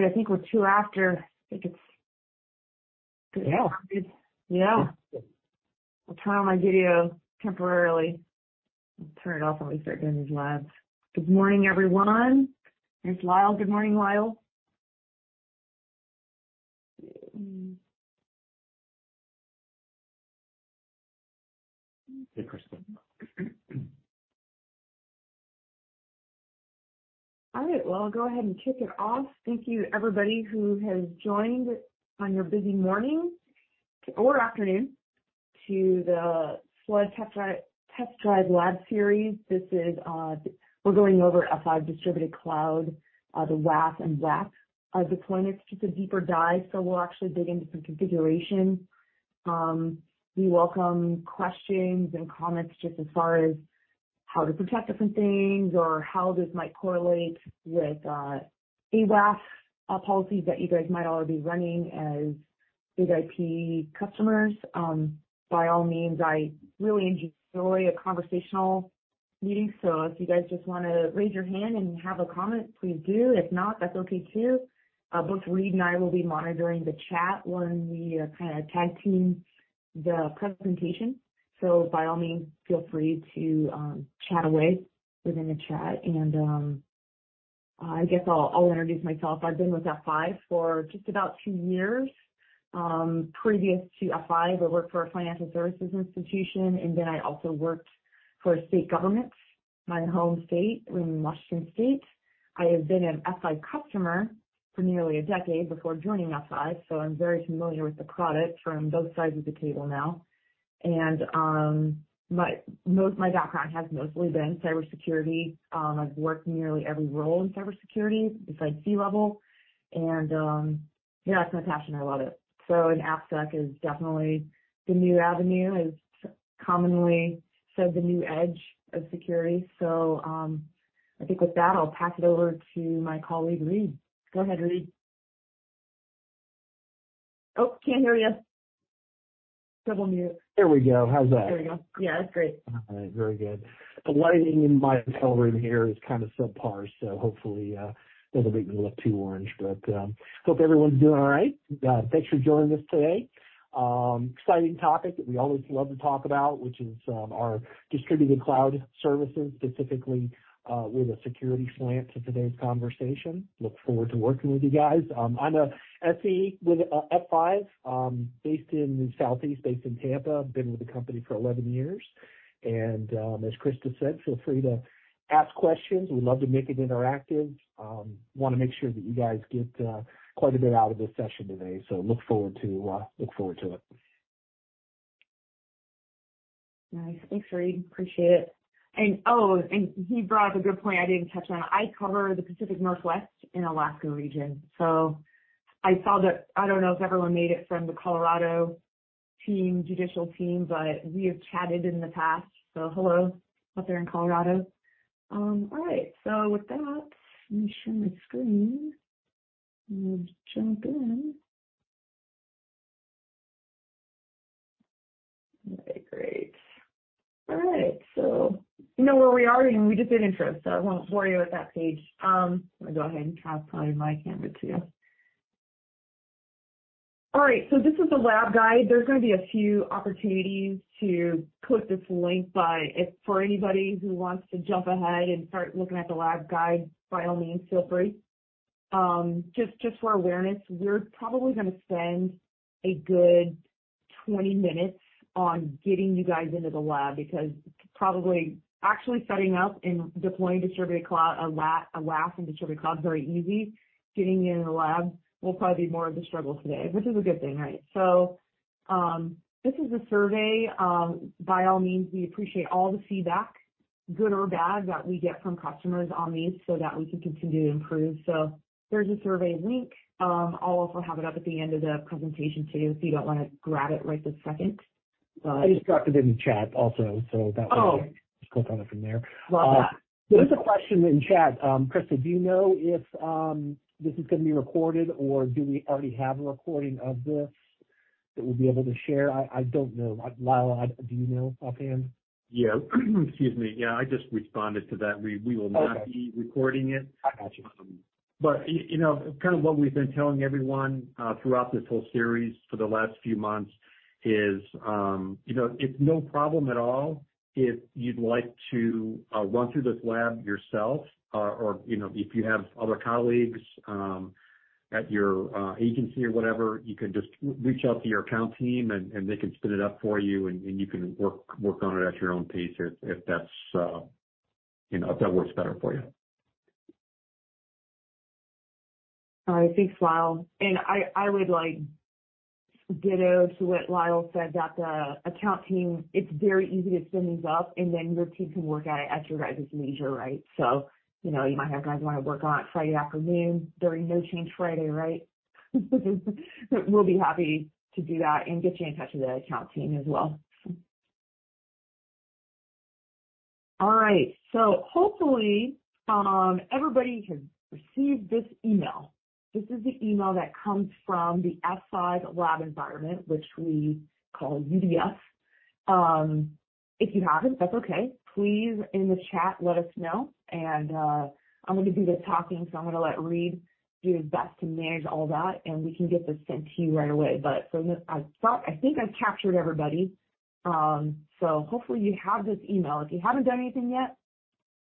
All right, I think we're two after. I think it's, It's, yeah. I'll turn on my video temporarily and turn it off when we start doing these labs. Good morning, everyone. There's Lyle. Good morning, Lyle. Hey, Krista. All right, well, I'll go ahead and kick it off. Thank you, everybody who has joined on your busy morning or afternoon to the Cloud Test Drive, Test Drive Lab series. This is, we're going over F5 Distributed Cloud, the WAF and WAAP. Deployment, it's just a deeper dive, so we'll actually dig into some configuration. We welcome questions and comments just as far as how to protect different things or how this might correlate with AWAF policies that you guys might already be running as BIG-IP customers. By all means, I really enjoy a conversational meeting, so if you guys just wanna raise your hand and have a comment, please do. If not, that's okay too. Both Reid and I will be monitoring the chat when we kinda tag team the presentation. So by all means, feel free to chat away within the chat. And I guess I'll introduce myself. I've been with F5 for just about two years. Previous to F5, I worked for a financial services institution, and then I also worked for state government, my home state, in Washington State. I have been an F5 customer for nearly a decade before joining F5, so I'm very familiar with the product from both sides of the table now. And my background has mostly been cybersecurity. I've worked nearly every role in cybersecurity besides C-level, and yeah, it's my passion. I love it. So an AppSec is definitely the new avenue, as commonly said, the new edge of security. So I think with that, I'll pass it over to my colleague, Reid. Go ahead, Reid. Oh, can't hear you. Double mute. There we go. How's that? There we go. Yeah, that's great. All right. Very good. The lighting in my hotel room here is kind of subpar, so hopefully, it doesn't make me look too orange. But, hope everyone's doing all right. Thanks for joining us today. Exciting topic that we always love to talk about, which is, our Distributed Cloud Services, specifically, with a security slant to today's conversation. Look forward to working with you guys. I'm a SE with, F5, based in the Southeast, based in Tampa. I've been with the company for 11 years, and, as Krista said, feel free to ask questions. We'd love to make it interactive. Wanna make sure that you guys get, quite a bit out of this session today. So look forward to, look forward to it. Nice. Thanks, Reid. Appreciate it. And oh, and he brought up a good point I didn't touch on. I cover the Pacific Northwest and Alaska region, so I saw that I don't know if everyone made it from the Colorado team, Judicial team, but we have chatted in the past. So hello, out there in Colorado. All right, so with that, let me share my screen and jump in. Okay, great. All right, so you know where we are, and we just did intro, so I won't bore you with that page. I'm gonna go ahead and stop sharing my camera too. All right, so this is the lab guide. There's gonna be a few opportunities to click this link, but if for anybody who wants to jump ahead and start looking at the lab guide, by all means, feel free. Just, just for awareness, we're probably gonna spend a good 20 minutes on getting you guys into the lab, because probably actually setting up and deploying Distributed Cloud AWS, a WAF and Distributed Cloud is very easy. Getting you in the lab will probably be more of a struggle today, which is a good thing, right? So, this is a survey. By all means, we appreciate all the feedback, good or bad, that we get from customers on these so that we can continue to improve. So there's a survey link. I'll also have it up at the end of the presentation too, so you don't wanna grab it right this second. I just dropped it in the chat also, so that just click on it from there. Love that. There's a question in chat. Krista, do you know if this is gonna be recorded, or do we already have a recording of this that we'll be able to share? I don't know. Lyle, do you know offhand? Yeah. Excuse me. Yeah, I just responded to that. We will not be recording it. I got you. But you know, kind of what we've been telling everyone throughout this whole series for the last few months is, you know, it's no problem at all if you'd like to run through this lab yourself, or, you know, if you have other colleagues at your agency or whatever, you can just reach out to your account team and they can spin it up for you, and you can work on it at your own pace if that's, you know, if that works better for you. All right. Thanks, Lyle. And I, I would like ditto to what Lyle said, that the account team, it's very easy to spin these up, and then your team can work at it at your guys' leisure, right? So, you know, you might have guys who wanna work on it Friday afternoon during No Change Friday, right? We'll be happy to do that and get you in touch with the account team as well. All right, so hopefully, everybody has received this email. This is the email that comes from the F5 lab environment, which we call UDF. If you haven't, that's okay. Please, in the chat, let us know. And, I'm gonna do the talking, so I'm gonna let Reid do his best to manage all that, and we can get this sent to you right away. But from the, I thought, I think I've captured everybody. So hopefully you have this email. If you haven't done anything yet,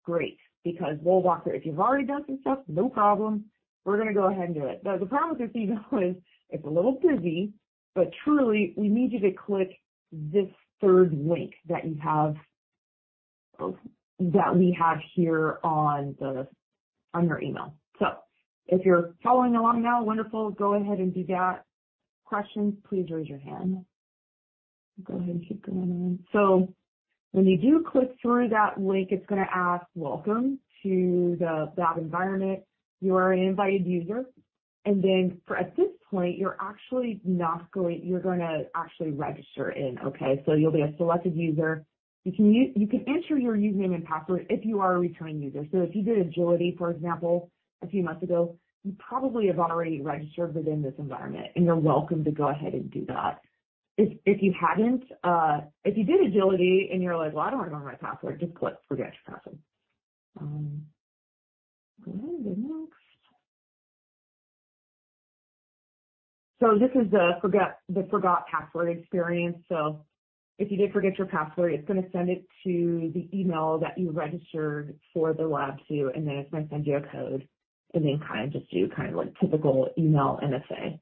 great, because we'll walk through. If you've already done some stuff, no problem, we're gonna go ahead and do it. Now, the problem with this email is it's a little busy, but truly, we need you to click this third link that you have, that we have here on the, on your email. So if you're following along now, wonderful, go ahead and do that. Questions, please raise your hand. Go ahead and keep going on. So when you do click through that link, it's gonna ask, "Welcome to the lab environment. You are an invited user." And then for, at this point, you're actually not going, you're gonna actually register in, okay? So you'll be a selected user. You can enter your username and password if you are a returning user. So if you did Agility, for example, a few months ago, you probably have already registered within this environment, and you're welcome to go ahead and do that. If you haven't, if you did Agility and you're like, "Well, I don't want to remember my password," just click Forget Password. Go ahead, next. So this is the forgot password experience. So if you did forget your password, it's gonna send it to the email that you registered for the lab to, and then it's gonna send you a code, and then kind of just do kind of like typical email MFA.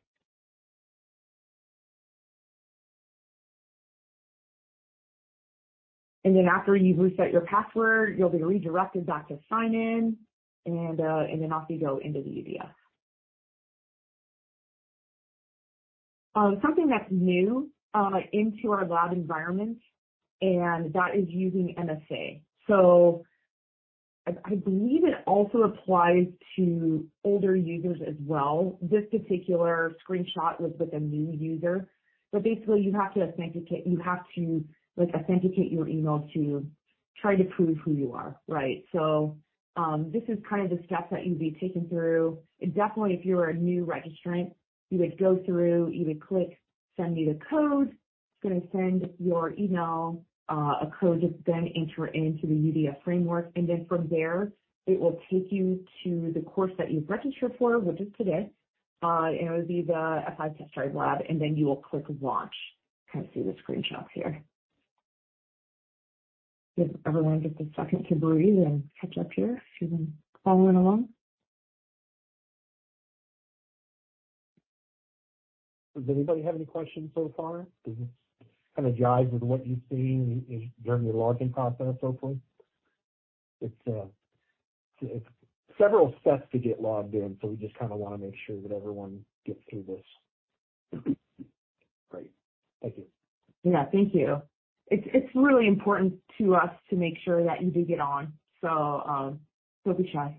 And then after you've reset your password, you'll be redirected back to sign in, and then off you go into the UDF. Something that's new into our lab environment, and that is using MFA. So I believe it also applies to older users as well. This particular screenshot was with a new user, but basically you have to authenticate, you have to, like, authenticate your email to try to prove who you are, right? So, this is kind of the steps that you'd be taken through. And definitely if you were a new registrant, you would go through, you would click, Send me the code.It's gonna send your email a code to then enter into the UDF framework, and then from there, it will take you to the course that you've registered for, which is today. And it would be the Applied Test Drive Lab, and then you will click Launch. Kind of see the screenshots here. Give everyone just a second to breathe and catch up here if you've been following along. Does anybody have any questions so far? Does this kind of jive with what you're seeing is, during the login process, hopefully? It's, it's several steps to get logged in, so we just kinda wanna make sure that everyone gets through this. Great. Thank you. Yeah, thank you. It's really important to us to make sure that you do get on, so don't be shy.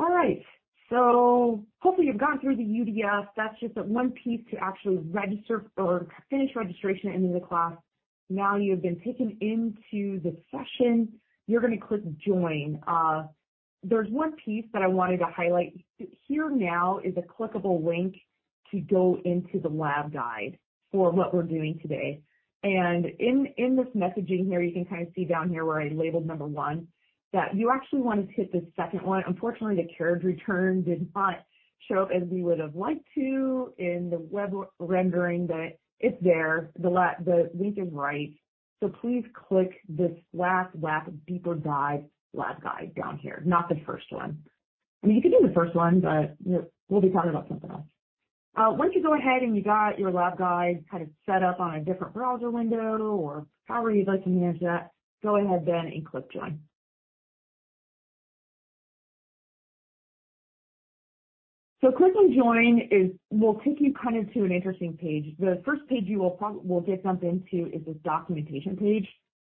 All right, so hopefully you've gotten through the UDF. That's just one piece to actually register or finish registration and in the class. Now, you've been taken into the session. You're gonna click Join. There's one piece that I wanted to highlight. Here now is a clickable link to go into the lab guide for what we're doing today. And in this messaging here, you can kind of see down here where I labeled number one, that you actually want to hit the second one. Unfortunately, the carriage return did not show up as we would have liked to in the web rendering, but it's there. The link is right. So please click this last lab, deeper dive lab guide down here, not the first one. I mean, you can do the first one, but we'll be talking about something else. Once you go ahead and you got your lab guide kind of set up on a different browser window or however you'd like to manage that, go ahead then and click Join. So clicking Join will take you kind of to an interesting page. The first page you will get dumped into is this documentation page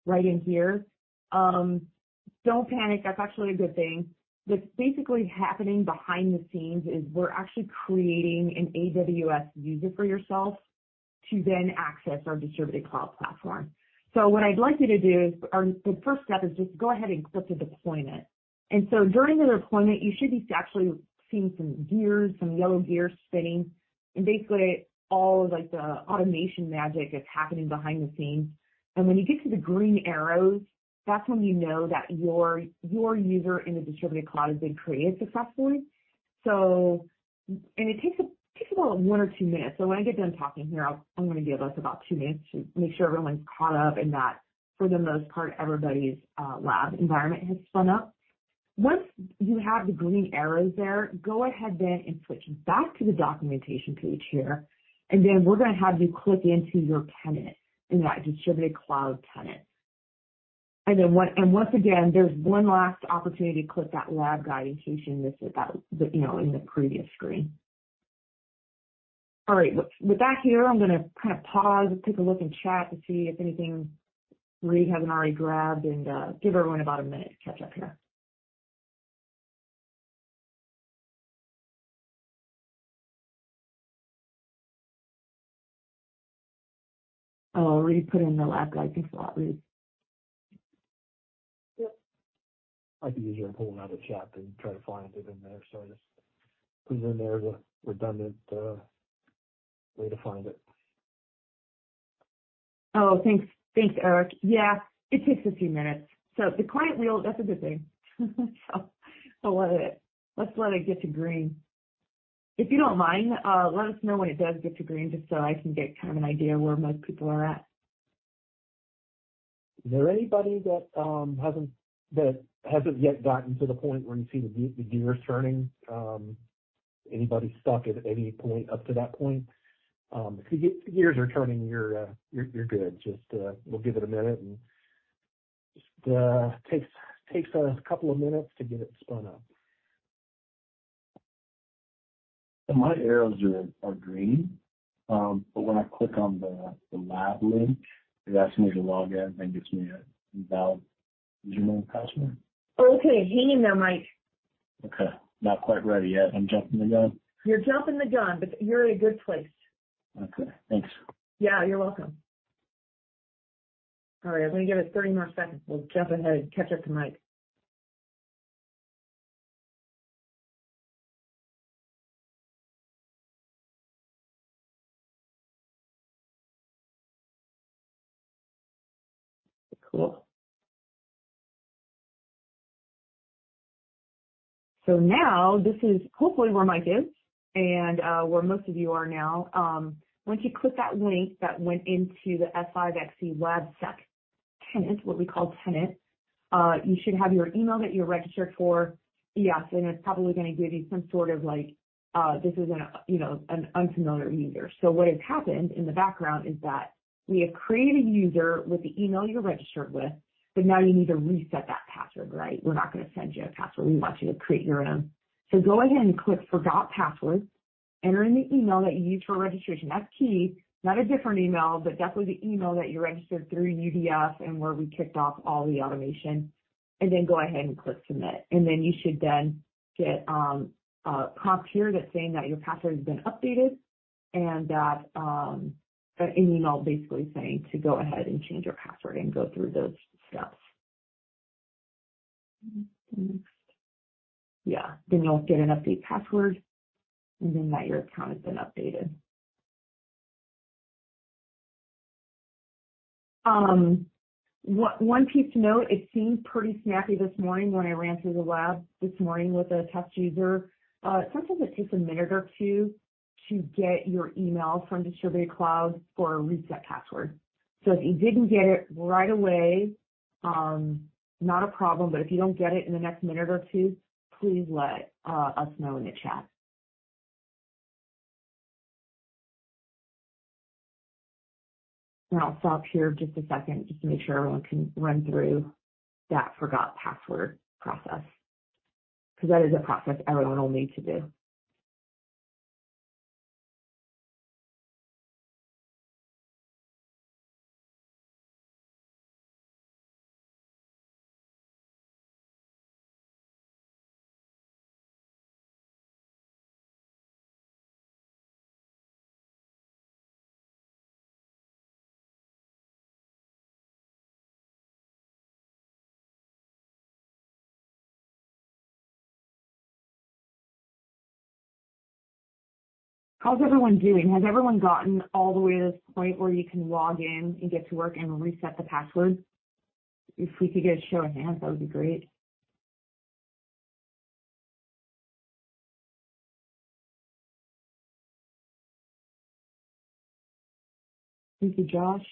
right in here. Don't panic. That's actually a good thing. What's basically happening behind the scenes is we're actually creating an AWS user for yourself to then access our Distributed Cloud platform. So what I'd like you to do is, the first step is just go ahead and click the deployment. During the deployment, you should be actually seeing some gears, some yellow gears spinning, and basically all of like the automation magic that's happening behind the scenes. When you get to the green arrows, that's when you know that your, your user in the Distributed Cloud has been created successfully. It takes about 1 or 2 minutes. When I get done talking here, I'll, I'm gonna give us about 2 minutes to make sure everyone's caught up and that for the most part, everybody's lab environment has spun up. Once you have the green arrows there, go ahead then and switch back to the documentation page here, and then we're gonna have you click into your tenant, in that Distributed Cloud tenant. And then once again, there's one last opportunity to click that lab guide in case you missed it, you know, in the previous screen. All right, we're back here. I'm gonna kind of pause and take a look in chat to see if anything Reid hasn't already grabbed and give everyone about a minute to catch up here. Oh, already put in the lab guide link, so that Reid- Might be easier than pulling out a chat and try to find it in there. So just putting in there as a redundant way to find it. Oh, thanks. Thanks, Eric. Yeah, it takes a few minutes. So the client wheel, that's a good thing. So let it. Let's let it get to green. If you don't mind, let us know when it does get to green, just so I can get kind of an idea where most people are at. Is there anybody that hasn't, that hasn't yet gotten to the point where you see the gears turning? Anybody stuck at any point up to that point? If you get the gears are turning, you're good. Just, we'll give it a minute, and just takes a couple of minutes to get it spun up. My arrows are green, but when I click on the lab link, it asks me to log in and gives me an invalid username and password. Okay, hang in there, Mike. Okay. Not quite ready yet. I'm jumping the gun? You're jumping the gun, but you're in a good place. Okay. Thanks. Yeah, you're welcome. All right, I'm gonna give it 30 more seconds. We'll jump ahead and catch up to Mike. So now this is hopefully where Mike is, and where most of you are now. Once you click that link that went into the F5 XC Lab Stack tenant, what we call tenant, you should have your email that you're registered for. Yes, and it's probably gonna give you some sort of, like, this is an, you know, an unfamiliar user. So what has happened in the background is that we have created a user with the email you're registered with, but now you need to reset that password, right? We're not gonna send you a password. We want you to create your own. So go ahead and click Forgot Password. Enter in the email that you used for registration. That's key. Not a different email, but definitely the email that you registered through UDF and where we kicked off all the automation, and then go ahead and click Submit. And then you should then get a prompt here that's saying that your password has been updated and that an email basically saying to go ahead and change your password and go through those steps. Next. Yeah, then you'll get an update password, and then that your account has been updated. One piece to note, it seemed pretty snappy this morning when I ran through the lab this morning with a test user. Sometimes it takes a minute or two to get your email from Distributed Cloud for a reset password. So if you didn't get it right away, not a problem, but if you don't get it in the next minute or two, please let us know in the chat. And I'll stop here just a second just to make sure everyone can run through that forgot password process, 'cause that is a process everyone will need to do. How's everyone doing? Has everyone gotten all the way to this point where you can log in and get to work and reset the password? If we could get a show of hands, that would be great. Thank you, Josh.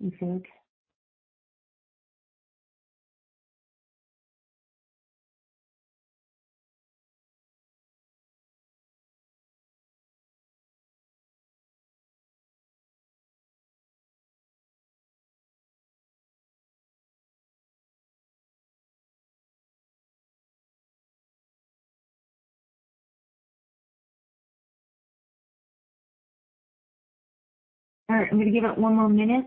Thank you. All right, I'm gonna give it one more minute.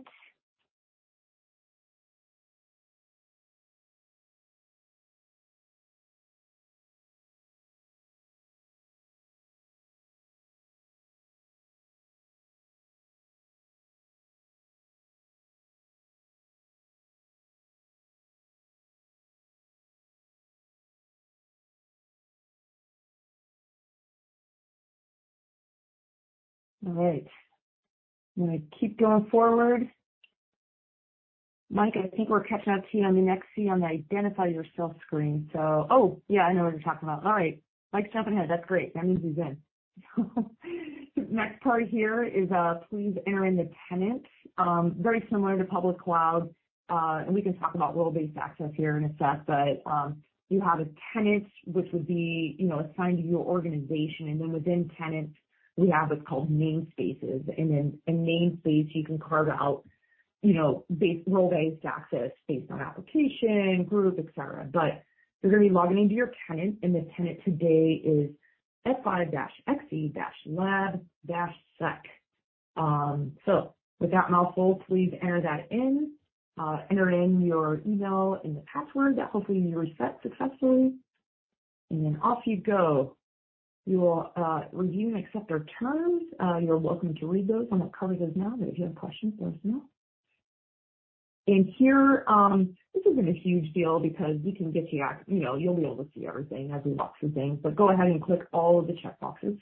All right. I'm gonna keep going forward. Mike, I think we're catching up to you on the next C on the Identify Yourself screen. So oh, yeah, I know what you're talking about. All right. Mike's jumping ahead. That's great. That means he's in. Next part here is, please enter in the tenant. Very similar to public cloud, and we can talk about role-based access here in a sec. But, you have a tenant, which would be, you know, assigned to your organization, and then within tenants, we have what's called namespaces. And then in namespace, you can carve out, you know, base, role-based access based on application, group, etcetera. But you're gonna be logging into your tenant, and the tenant today is F5-XC-lab-sec. So with that mouthful, please enter that in. Enter in your email and the password that hopefully you reset successfully, and then off you go. You will review and accept our terms. You're welcome to read those. I'm not covering those now, but if you have questions, let us know. Here, this isn't a huge deal because we can get you access, you know, you'll be able to see everything as we walk through things, but go ahead and click all of the checkboxes.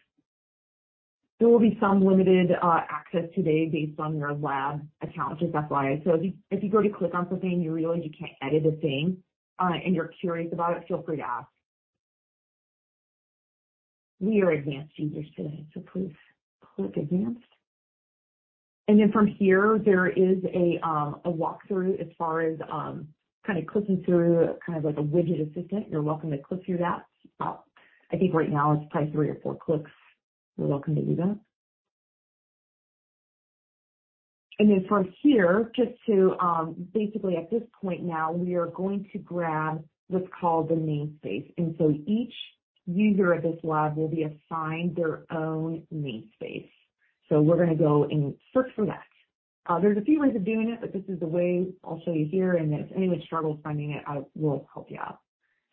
There will be some limited access today based on your lab account, just FYI. So if you, if you go to click on something, you realize you can't edit the thing, and you're curious about it, feel free to ask. We are advanced users today, so please click Advanced. And then from here, there is a walkthrough as far as kind of clicking through, kind of like a widget assistant. You're welcome to click through that. I think right now it's probably three or four clicks. You're welcome to do that. And then from here, just to. Basically, at this point now, we are going to grab what's called the Namespace. And so each user at this lab will be assigned their own Namespace. So we're gonna go and search for that. There's a few ways of doing it, but this is the way I'll show you here, and if anyone struggles finding it, I will help you out.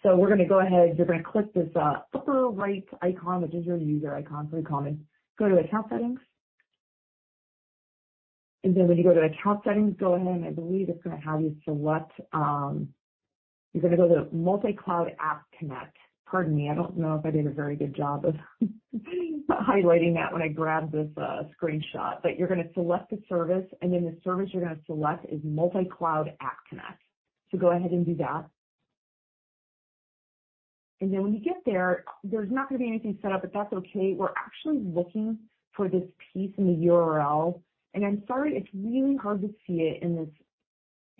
So we're gonna go ahead. You're gonna click this upper right icon, which is your user icon, pretty common. Go to Account Settings. And then when you go to Account Settings, go ahead, and I believe it's gonna have you select, you're gonna go to Multi-Cloud App Connect. Pardon me, I don't know if I did a very good job of highlighting that when I grabbed this screenshot. But you're gonna select a service, and then the service you're gonna select is Multi-Cloud App Connect. So go ahead and do that. And then when you get there, there's not gonna be anything set up, but that's okay. We're actually looking for this piece in the URL. And I'm sorry, it's really hard to see it in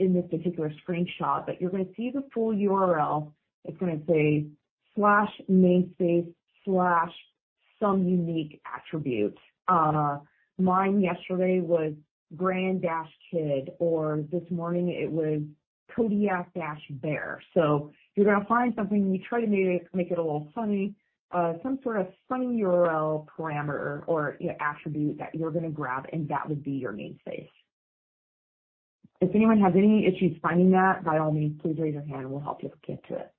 this particular screenshot, but you're gonna see the full URL. It's gonna say slash namespace slash some unique attribute. Mine yesterday was grand-kid, or this morning it was kodiak-bear. So you're gonna find something, we try to make it a little funny, some sort of funny URL parameter or attribute that you're gonna grab, and that would be your namespace. If anyone has any issues finding that, by all means, please raise your hand, and we'll help you get to it.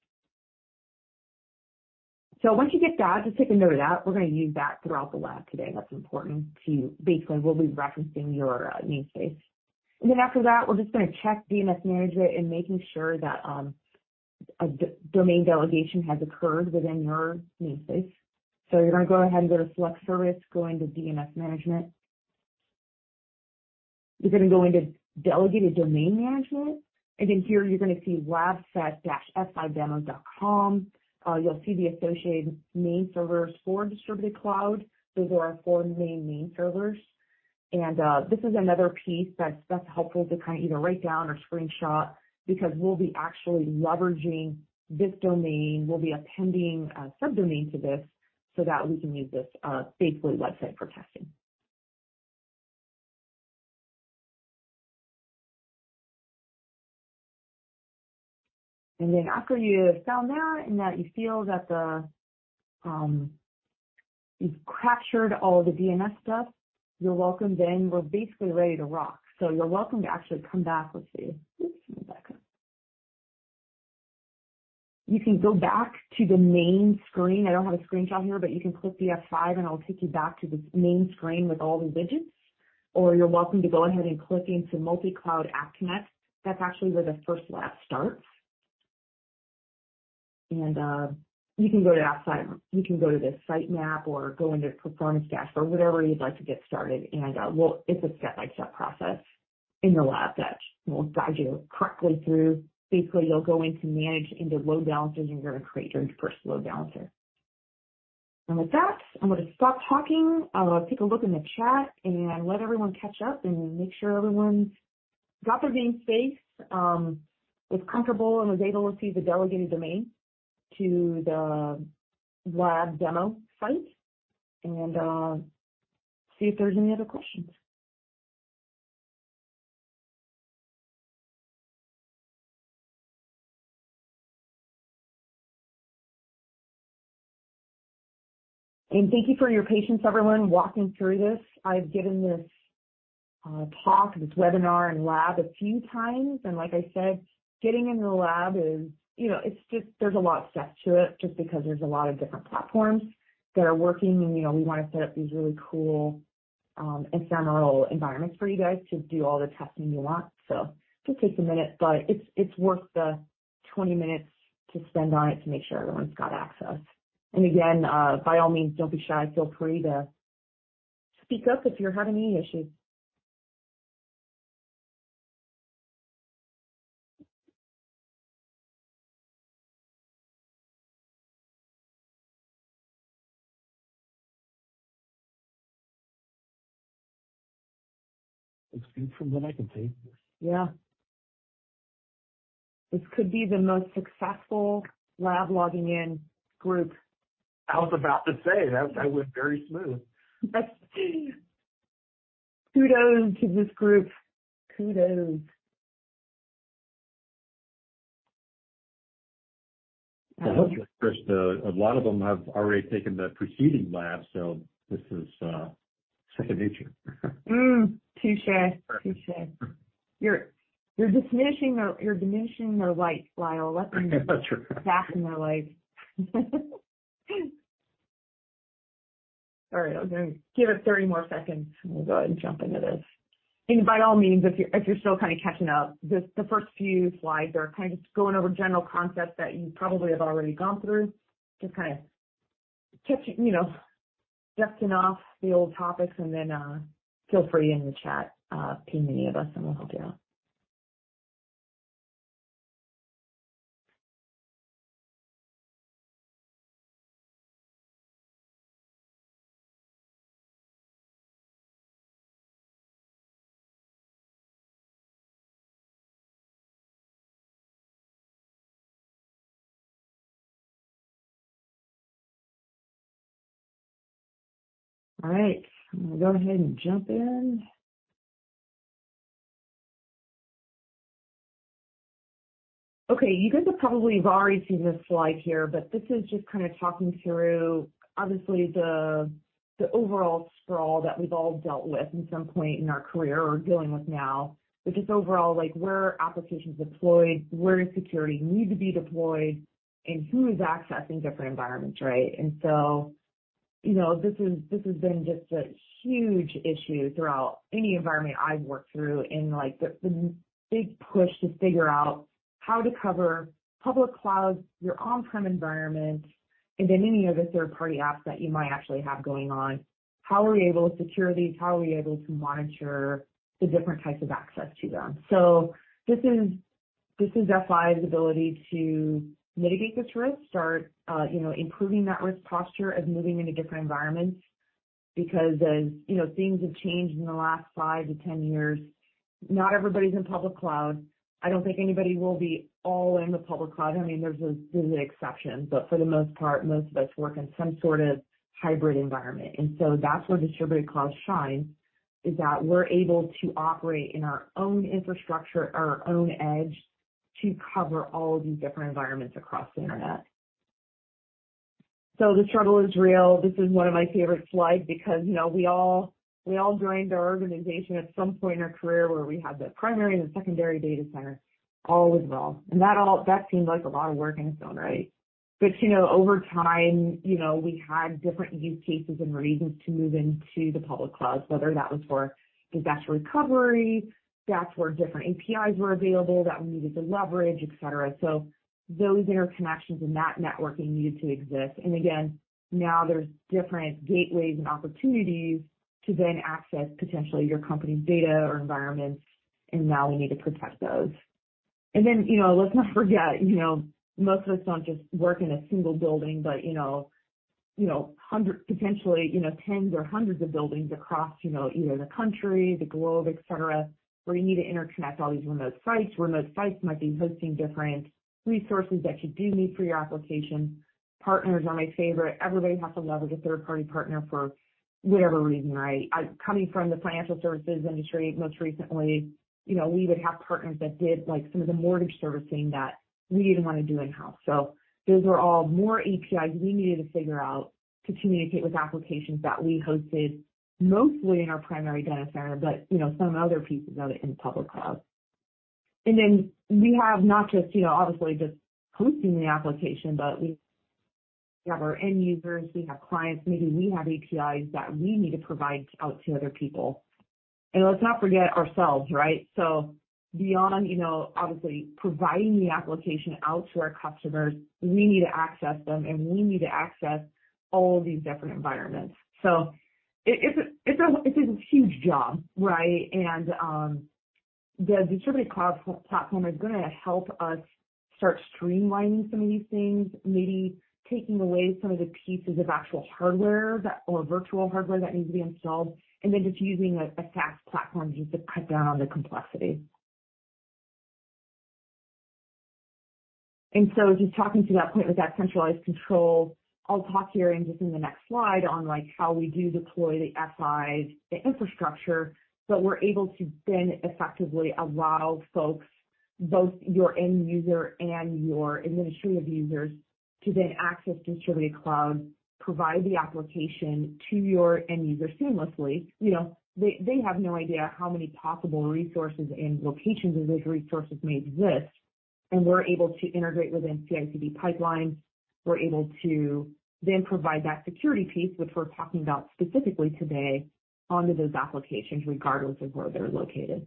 Once you get that, just take a note of that. We're gonna use that throughout the lab today. That's important to you. Basically, we'll be referencing your namespace. Then after that, we're just gonna check DNS Management and making sure that a domain delegation has occurred within your namespace. You're gonna go ahead and go to Select Service, go into DNS Management. You're gonna go into Delegated Domain Management, and then here you're gonna see lab-sec-f5demo.com. You'll see the associated name servers for Distributed Cloud. Those are our four main name servers. And this is another piece that's helpful to kind of either write down or screenshot because we'll be actually leveraging this domain. We'll be appending a subdomain to this so that we can use this basically website for testing. And then after you've found that and that you feel that the, you've captured all the DNS stuff, you're welcome, then we're basically ready to rock. So you're welcome to actually come back. Let's see. Oops, give me a second. You can go back to the main screen. I don't have a screenshot here, but you can click the F5, and it'll take you back to the main screen with all the widgets. Or you're welcome to go ahead and click into Multi-Cloud App Connect. That's actually where the first lab starts. And, you can go to outside. You can go to the site map or go into Performance Dash or whatever you'd like to get started, and we'll it's a step-by-step process in the lab that will guide you correctly through. Basically, you'll go into Manage, into Load Balancers, and you're gonna create your first load balancer. With that, I'm gonna stop talking, take a look in the chat and let everyone catch up and make sure everyone's got their Namespace, is comfortable, and was able to see the delegated domain to the lab demo site, and see if there's any other questions. Thank you for your patience, everyone, walking through this. I've given this, talk, this webinar and lab a few times, and like I said getting in the lab is, you know, it's just there's a lot of steps to it, just because there's a lot of different platforms that are working and, you know, we wanna set up these really cool, environmental environments for you guys to do all the testing you want. So just takes a minute, but it's, it's worth the 20 minutes to spend on it to make sure everyone's got access. And again, by all means, don't be shy. Feel free to speak up if you're having any issues. Looks good from what I can see. Yeah, this could be the most successful lab logging in group. I was about to say, that, that went very smooth. Kudos to this group. Kudos! First, a lot of them have already taken the preceding lab, so this is second nature. Mm. Touché. Touché. You're, you're diminishing their, you're diminishing their life, Lyle. That's true. Back in their life. All right, I'm gonna give it 30 more seconds, and we'll go ahead and jump into this. By all means, if you're still kinda catching up, the first few slides are kind of just going over general concepts that you probably have already gone through. Just kinda checking, you know, dusting off the old topics and then feel free in the chat, ping any of us, and we'll help you out. All right, I'm gonna go ahead and jump in. Okay, you guys have probably already seen this slide here, but this is just kinda talking through, obviously, the overall sprawl that we've all dealt with at some point in our career or dealing with now. But just overall, like, where are applications deployed, where does security need to be deployed, and who is accessing different environments, right? So, you know, this is, this has been just a huge issue throughout any environment I've worked through, and, like, the big push to figure out how to cover public cloud, your on-prem environment, and then any of the third-party apps that you might actually have going on. How are we able to secure these? How are we able to monitor the different types of access to them? So this is, this is F5's ability to mitigate this risk, start, you know, improving that risk posture as moving into different environments. Because as, you know, things have changed in the last five-10 years, not everybody's in public cloud. I don't think anybody will be all in the public cloud. I mean, there's an exception, but for the most part, most of us work in some sort of hybrid environment. And so that's where Distributed Cloud shines, is that we're able to operate in our own infrastructure, our own edge, to cover all of these different environments across the Internet. So the struggle is real. This is one of my favorite slides because, you know, we all, we all joined our organization at some point in our career where we had the primary and the secondary data center, all was well. And that all, that seemed like a lot of work in stone, right? But, you know, over time, you know, we had different use cases and reasons to move into the public cloud, whether that was for disaster recovery, that's where different APIs were available that we needed to leverage, etc. So those interconnections and that networking needed to exist. Again, now there's different gateways and opportunities to then access potentially your company's data or environments, and now we need to protect those. Then, you know, let's not forget, you know, most of us don't just work in a single building, but, you know, you know, hundred, potentially, you know, tens or hundreds of buildings across, you know, either the country, the globe, etc., where you need to interconnect all these remote sites. Remote sites might be hosting different resources that you do need for your application. Partners are my favorite. Everybody has to love a good third-party partner for whatever reason, right? I coming from the financial services industry, most recently, you know, we would have partners that did, like, some of the mortgage servicing that we didn't want to do in-house. So those are all more APIs we needed to figure out to communicate with applications that we hosted mostly in our primary data center, but, you know, some other pieces of it in the public cloud. And then we have not just, you know, obviously just hosting the application, but we have our end users, we have clients, maybe we have APIs that we need to provide out to other people. And let's not forget ourselves, right? So beyond, you know, obviously providing the application out to our customers, we need to access them, and we need to access all these different environments. So it's a huge job, right? And, the Distributed Cloud platform is gonna help us start streamlining some of these things, maybe taking away some of the pieces of actual hardware that or virtual hardware that needs to be installed, and then just using a, a SaaS platform just to cut down on the complexity. And so just talking to that point, with that centralized control, I'll talk here and just in the next slide on, like, how we do deploy the F5s, the infrastructure. But we're able to then effectively allow folks, both your end user and your administrative users, to then access Distributed Cloud, provide the application to your end user seamlessly. You know, they, they have no idea how many possible resources and locations of those resources may exist, and we're able to integrate within CI/CD pipelines. We're able to then provide that security piece, which we're talking about specifically today, onto those applications, regardless of where they're located.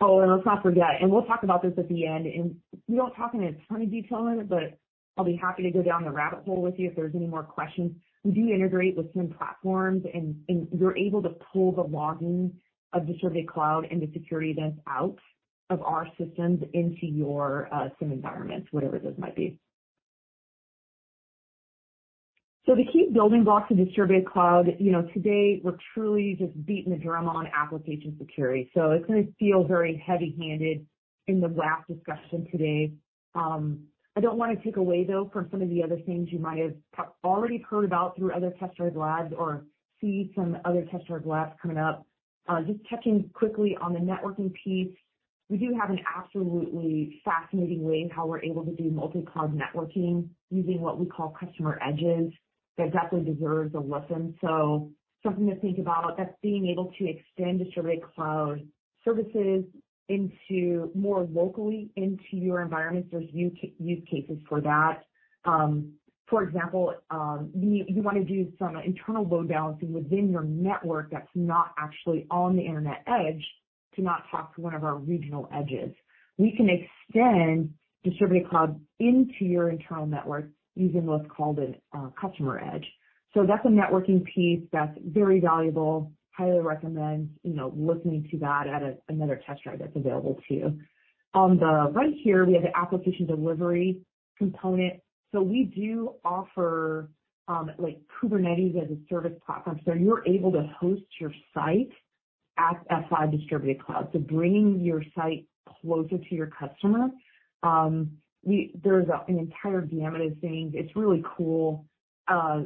Oh, and let's not forget, and we'll talk about this at the end, and we won't talk in a ton of detail on it, but I'll be happy to go down the rabbit hole with you if there's any more questions. We do integrate with some platforms, and, and we're able to pull the logging of Distributed Cloud and the security desk out of our systems into your SIEM environments, whatever those might be. So the key building blocks of Distributed Cloud, you know, today, we're truly just beating the drum on application security. So it's gonna feel very heavy-handed in the WAF discussion today. I don't wanna take away, though, from some of the other things you might have already heard about through other Test Drive Labs or see some other Test Drive Labs coming up. Just touching quickly on the networking piece, we do have an absolutely fascinating way in how we're able to do multi-cloud networking using what we call Customer Edges. That definitely deserves a listen. So something to think about, that's being able to extend Distributed Cloud Services into more locally into your environment. There's use cases for that. For example, you wanna do some internal load balancing within your network that's not actually on the internet edge to not talk to one of our Regional Edges. We can extend Distributed Cloud into your internal network using what's called a Customer Edge. So that's a networking piece that's very valuable. Highly recommend, you know, listening to that at another Test Drive that's available to you. On the right here, we have the application delivery component. So we do offer, like, Kubernetes as a service platform, so you're able to host your site at F5 Distributed Cloud. So bringing your site closer to your customer, there's an entire gamut of things. It's really cool.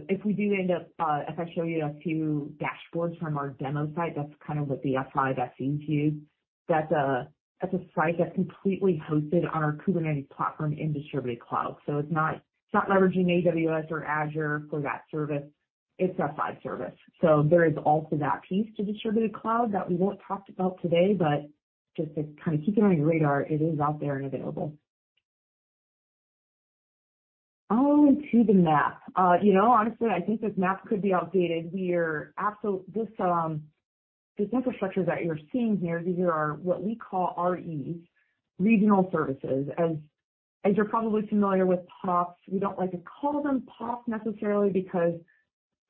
If we do end up if I show you a few dashboards from our demo site, that's kind of what the F5 SE view. That's a, that's a site that's completely hosted on our Kubernetes platform in Distributed Cloud, so it's not, it's not leveraging AWS or Azure for that service. It's F5 service. So there is also that piece to Distributed Cloud that we won't talk about today, but just to kind of keep it on your radar, it is out there and available. On to the map. You know, honestly, I think this map could be outdated. We are absolute this, this infrastructure that you're seeing here, these are what we call RE, Regional Edges. As you're probably familiar with POPs, we don't like to call them POPs necessarily, because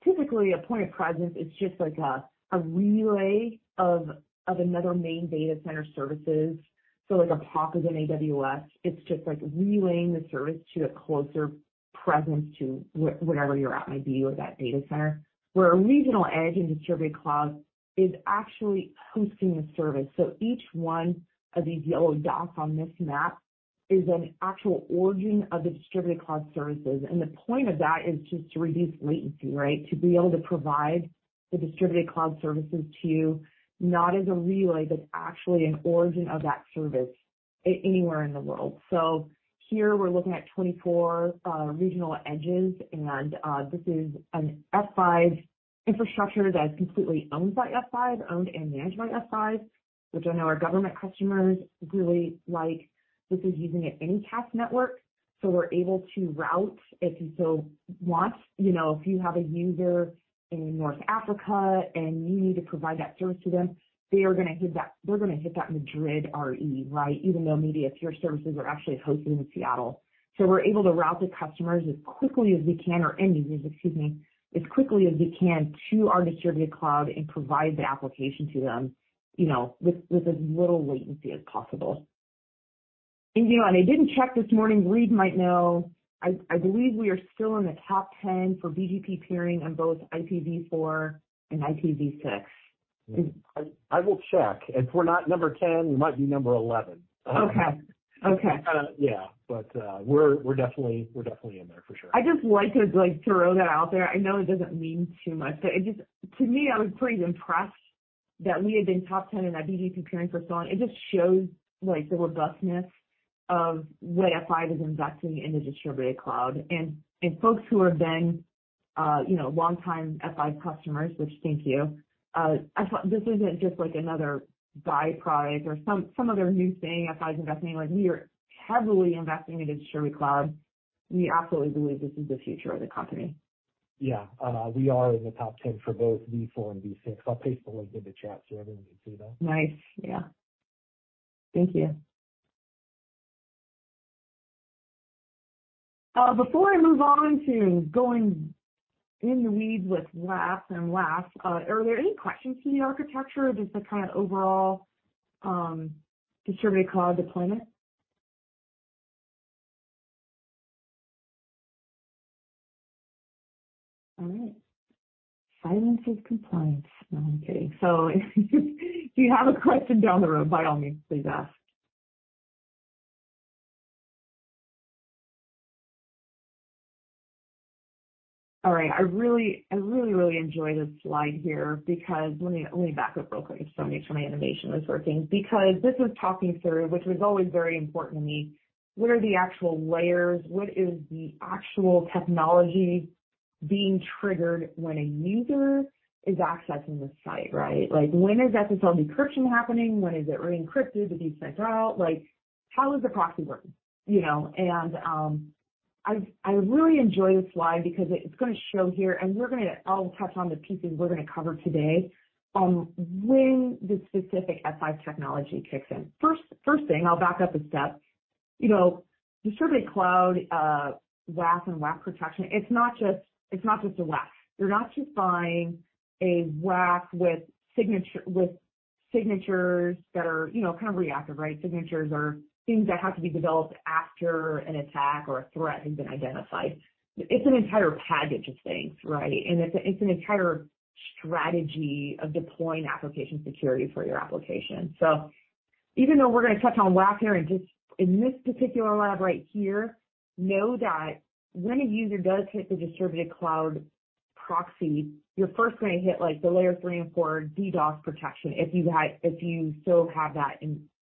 typically, a point of presence is just like a, a relay of, of another main data center services. So like a POP is an AWS. It's just like relaying the service to a closer presence to wherever you're at, might be, or that data center, where a Regional Edge in Distributed Cloud is actually hosting a service. So each one of these yellow dots on this map is an actual origin of the Distributed Cloud Services, and the point of that is just to reduce latency, right? To be able to provide the Distributed Cloud Services to you, not as a relay, but actually an origin of that service anywhere in the world. So here we're looking at 24 Regional Edges, and this is an F5 infrastructure that's completely owned by F5, owned and managed by F5, which I know our government customers really like. This is using an anycast network, so we're able to route if you so want. You know, if you have a user in North Africa, and you need to provide that service to them, they are gonna hit that—they're gonna hit that Madrid RE, right? Even though maybe if your services are actually hosted in Seattle. So we're able to route the customers as quickly as we can, or end users, excuse me, as quickly as we can to our Distributed Cloud and provide the application to them, you know, with, with as little latency as possible. And, you know, I didn't check this morning, Reid might know, I, I believe we are still in the top 10 for BGP peering on both IPv4 and IPv6. I will check. If we're not number 10, we might be number 11. Okay, okay. Yeah, but we're definitely in there, for sure. I just like to, like, throw that out there. I know it doesn't mean too much, but it just to me, I was pretty impressed that we had been top 10 in that BGP peering for so long. It just shows, like, the robustness of the way F5 is investing in the Distributed Cloud. And folks who have been, you know, longtime F5 customers, which thank you, I thought this isn't just, like, another by-product or some other new thing F5 is investing in. Like, we are heavily investing in the Distributed Cloud. We absolutely believe this is the future of the company. Yeah, we are in the top ten for both V4 and V6. I'll paste the link in the chat so everyone can see that. Nice. Yeah. Thank you. Before I move on to going in the weeds with WAF and WAF, are there any questions on the architecture, or just the kind of overall Distributed Cloud deployment? All right. Silence is compliance. No, I'm kidding. So if you have a question down the road, by all means, please ask. All right. I really, I really, really enjoy this slide here because. Let me, let me back up real quick. So make sure my animation is working. Because this is talking through, which was always very important to me, what are the actual layers? What is the actual technology being triggered when a user is accessing the site, right? Like, when is SSL decryption happening? When is it re-encrypted? Did you send it out? Like, how does the proxy work? You know, and I really enjoy this slide because it's gonna show here, and we're gonna, I'll touch on the pieces we're gonna cover today, on when the specific F5 technology kicks in. First thing, I'll back up a step. You know, Distributed Cloud WAF and WAF protection, it's not just, it's not just a WAF. You're not just buying a WAF with signatures that are, you know, kind of reactive, right? Signatures are things that have to be developed after an attack or a threat has been identified. It's an entire package of things, right? And it's an entire strategy of deploying application security for your application. So even though we're gonna touch on WAF here, and just in this particular lab right here, know that when a user does hit the Distributed Cloud proxy, you're first gonna hit, like, the layer three and four DDoS protection, if you have, if you so have that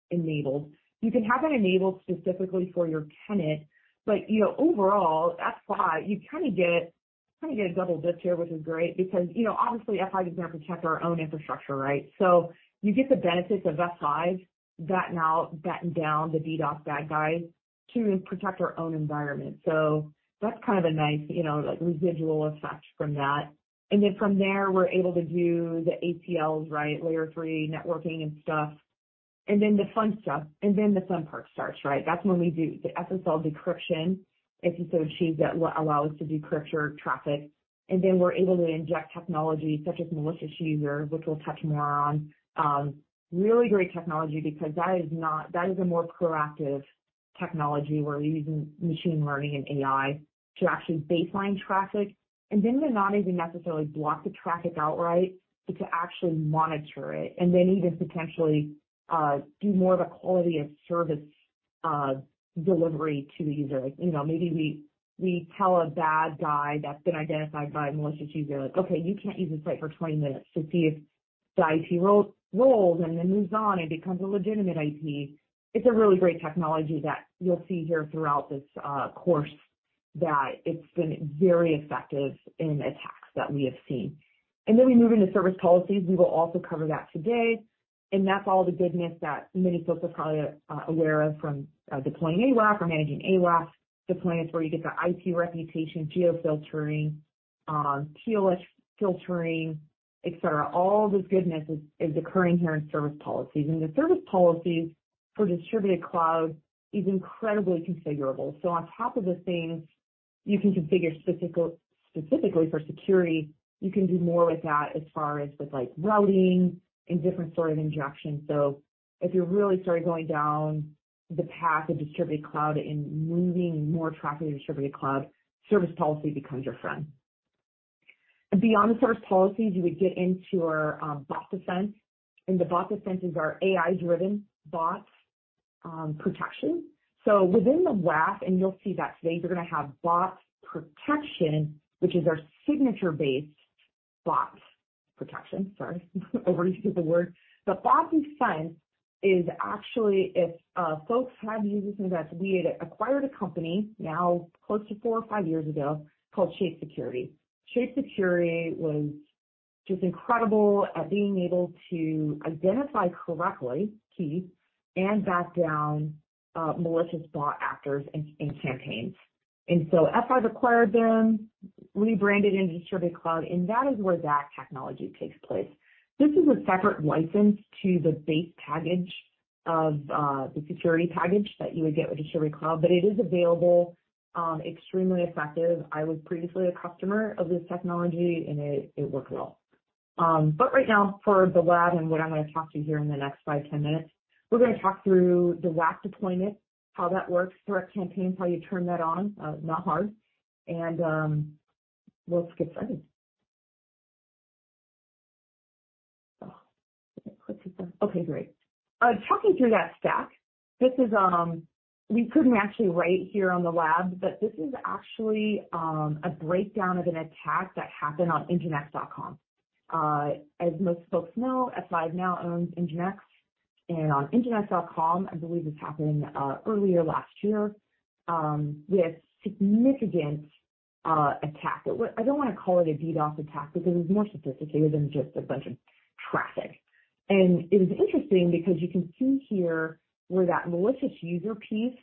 enabled. You can have it enabled specifically for your tenant, but, you know, overall, F5, you kind of get, kind of get a double dip here, which is great, because, you know, obviously, F5 is gonna protect our own infrastructure, right? So you get the benefits of F5 that now batten down the DDoS bad guys to protect our own environment. So that's kind of a nice, you know, like, residual effect from that. And then from there, we're able to do the ACLs, right, layer three, networking and stuff, and then the fun stuff, and then the fun part starts, right? That's when we do the SSL decryption, if you so choose, that will allow us to do encrypted traffic. And then we're able to inject technology such as Malicious User, which we'll touch more on. Really great technology, because that is not, that is a more proactive technology, where we're using machine learning and AI to actually baseline traffic, and then to not even necessarily block the traffic outright, but to actually monitor it, and then even potentially, do more of a quality of service, delivery to the user. You know, maybe we tell a bad guy that's been identified by malicious user, like, "Okay, you can't use the site for 20 minutes," to see if the IP rolls and then moves on and becomes a legitimate IP. It's a really great technology that you'll see here throughout this course, that it's been very effective in attacks that we have seen. And then we move into Service Policies. We will also cover that today, and that's all the goodness that many folks are probably aware of from deploying AWAF or managing AWAF. Deployments where you get the IP Reputation, Geo-Filtering, TLS filtering, et cetera. All this goodness is occurring here in Service Policies. And the Service Policies for Distributed Cloud is incredibly configurable. So on top of the things you can configure specific, specifically for security, you can do more with that as far as with, like, routing and different sort of injections. So if you're really sort of going down the path of Distributed Cloud and moving more traffic to Distributed Cloud, Service Policy becomes your friend. And beyond the Service Policies, you would get into our Bot Defense, and the Bot Defense is our AI-driven bots protection. So within the WAF, and you'll see that today, you're gonna have bots protection, which is our signature-based bots protection. Sorry, overused the word, but Bot Defense is actually if folks have used this event, we had acquired a company, now close to four or five years ago, called Shape Security. Shape Security was just incredible at being able to identify correctly, key, and back down, malicious bot actors and, and campaigns. And so F5 acquired them, rebranded into Distributed Cloud, and that is where that technology takes place. This is a separate license to the base package of, the security package that you would get with Distributed Cloud, but it is available, extremely effective. I was previously a customer of this technology, and it, it worked well. But right now, for the lab and what I'm gonna talk to you here in the next 5, 10 minutes, we're gonna talk through the WAF deployment, how that works, threat campaigns, how you turn that on, not hard, and, let's get started. Oh, okay, great. Talking through that stack, this is we couldn't actually write here on the lab, but this is actually a breakdown of an attack that happened on nginx.com. As most folks know, F5 now owns NGINX, and on nginx.com, I believe this happened earlier last year. We had significant attack. It was I don't wanna call it a DDoS attack because it was more sophisticated than just a bunch of traffic. And it was interesting because you can see here where that malicious user piece,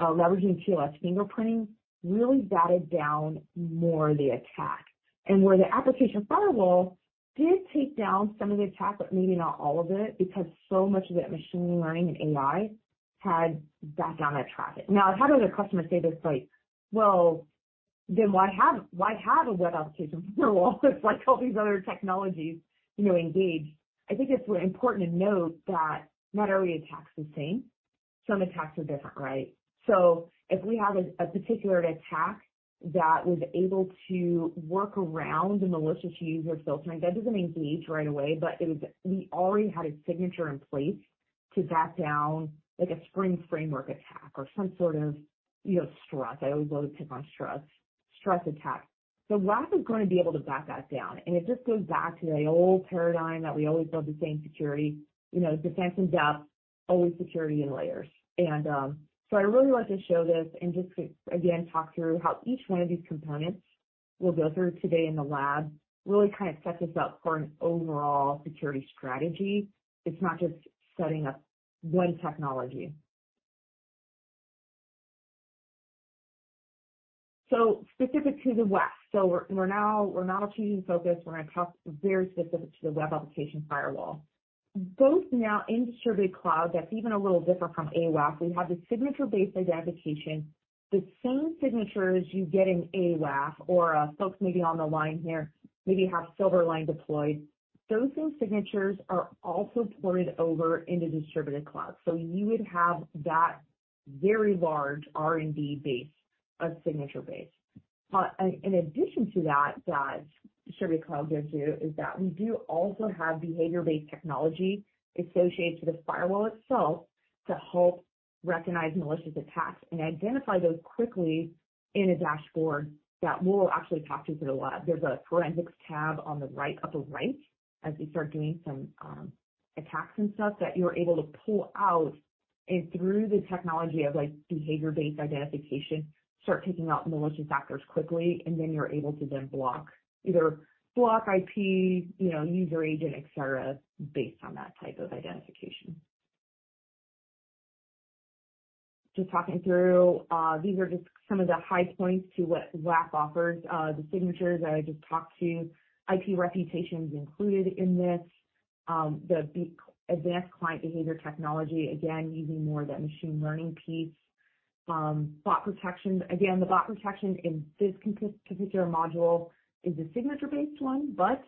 leveraging TLS fingerprinting, really batted down more of the attack. And where the Application Firewall did take down some of the attack, but maybe not all of it, because so much of that machine learning and AI had backed down that traffic. Now, I've had other customers say this, like, "Well, then why have, why have a web Application Firewall if, like, all these other technologies, you know, engage?" I think it's important to note that not every attack is the same. Some attacks are different, right? So if we have a particular attack that was able to work around the malicious user filtering, that doesn't engage right away, but we already had a signature in place to bat down, like, a Spring Framework attack or some sort of, you know, stress. I always go to pick on stress, Struts attack. So WAF is gonna be able to back that down, and it just goes back to the old paradigm that we always build the same security, you know, defense in depth, always security in layers. And, so I really want to show this and just to, again, talk through how each one of these components we'll go through today in the lab, really kind of set this up for an overall security strategy. It's not just setting up one technology. So specific to the WAF. So we're now changing focus. We're gonna talk very specific to the web Application Firewall. Both now in Distributed Cloud, that's even a little different from AWAF. We have the signature-based identification, the same signatures you get in AWAF or, folks maybe on the line here, maybe have Silverline deployed. Those same signatures are also ported over into Distributed Cloud. So you would have that very large R&D base, a signature base. And in addition to that, that Distributed Cloud gives you, is that we do also have behavior-based technology associated to the firewall itself to help recognize malicious attacks and identify those quickly in a dashboard that we'll actually talk to through the lab. There's a Forensics tab on the right, upper right, as you start doing some attacks and stuff, that you're able to pull out and through the technology of, like, behavior-based identification, start taking out malicious actors quickly, and then you're able to then block, either block IP, you know, user agent, et cetera, based on that type of identification. Just talking through, these are just some of the high points to what WAF offers. The signatures that I just talked to, IP reputation is included in this. The advanced client behavior technology, again, using more of that machine learning piece. Bot protection. Again, the bot protection in this particular module is a signature-based one, but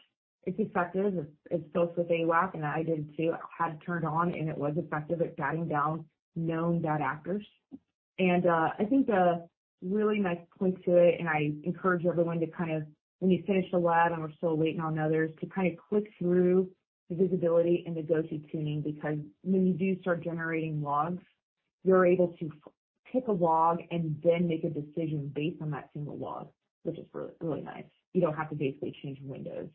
it's effective. It goes with WAAP, and I did see it had turned on, and it was effective at batting down known bad actors. I think a really nice point to it, and I encourage everyone to kind of. when you finish the lab and we're still waiting on others, to kind of click through the visibility and the go-to tuning. Because when you do start generating logs, you're able to pick a log and then make a decision based on that single log, which is really nice. You don't have to basically change windows.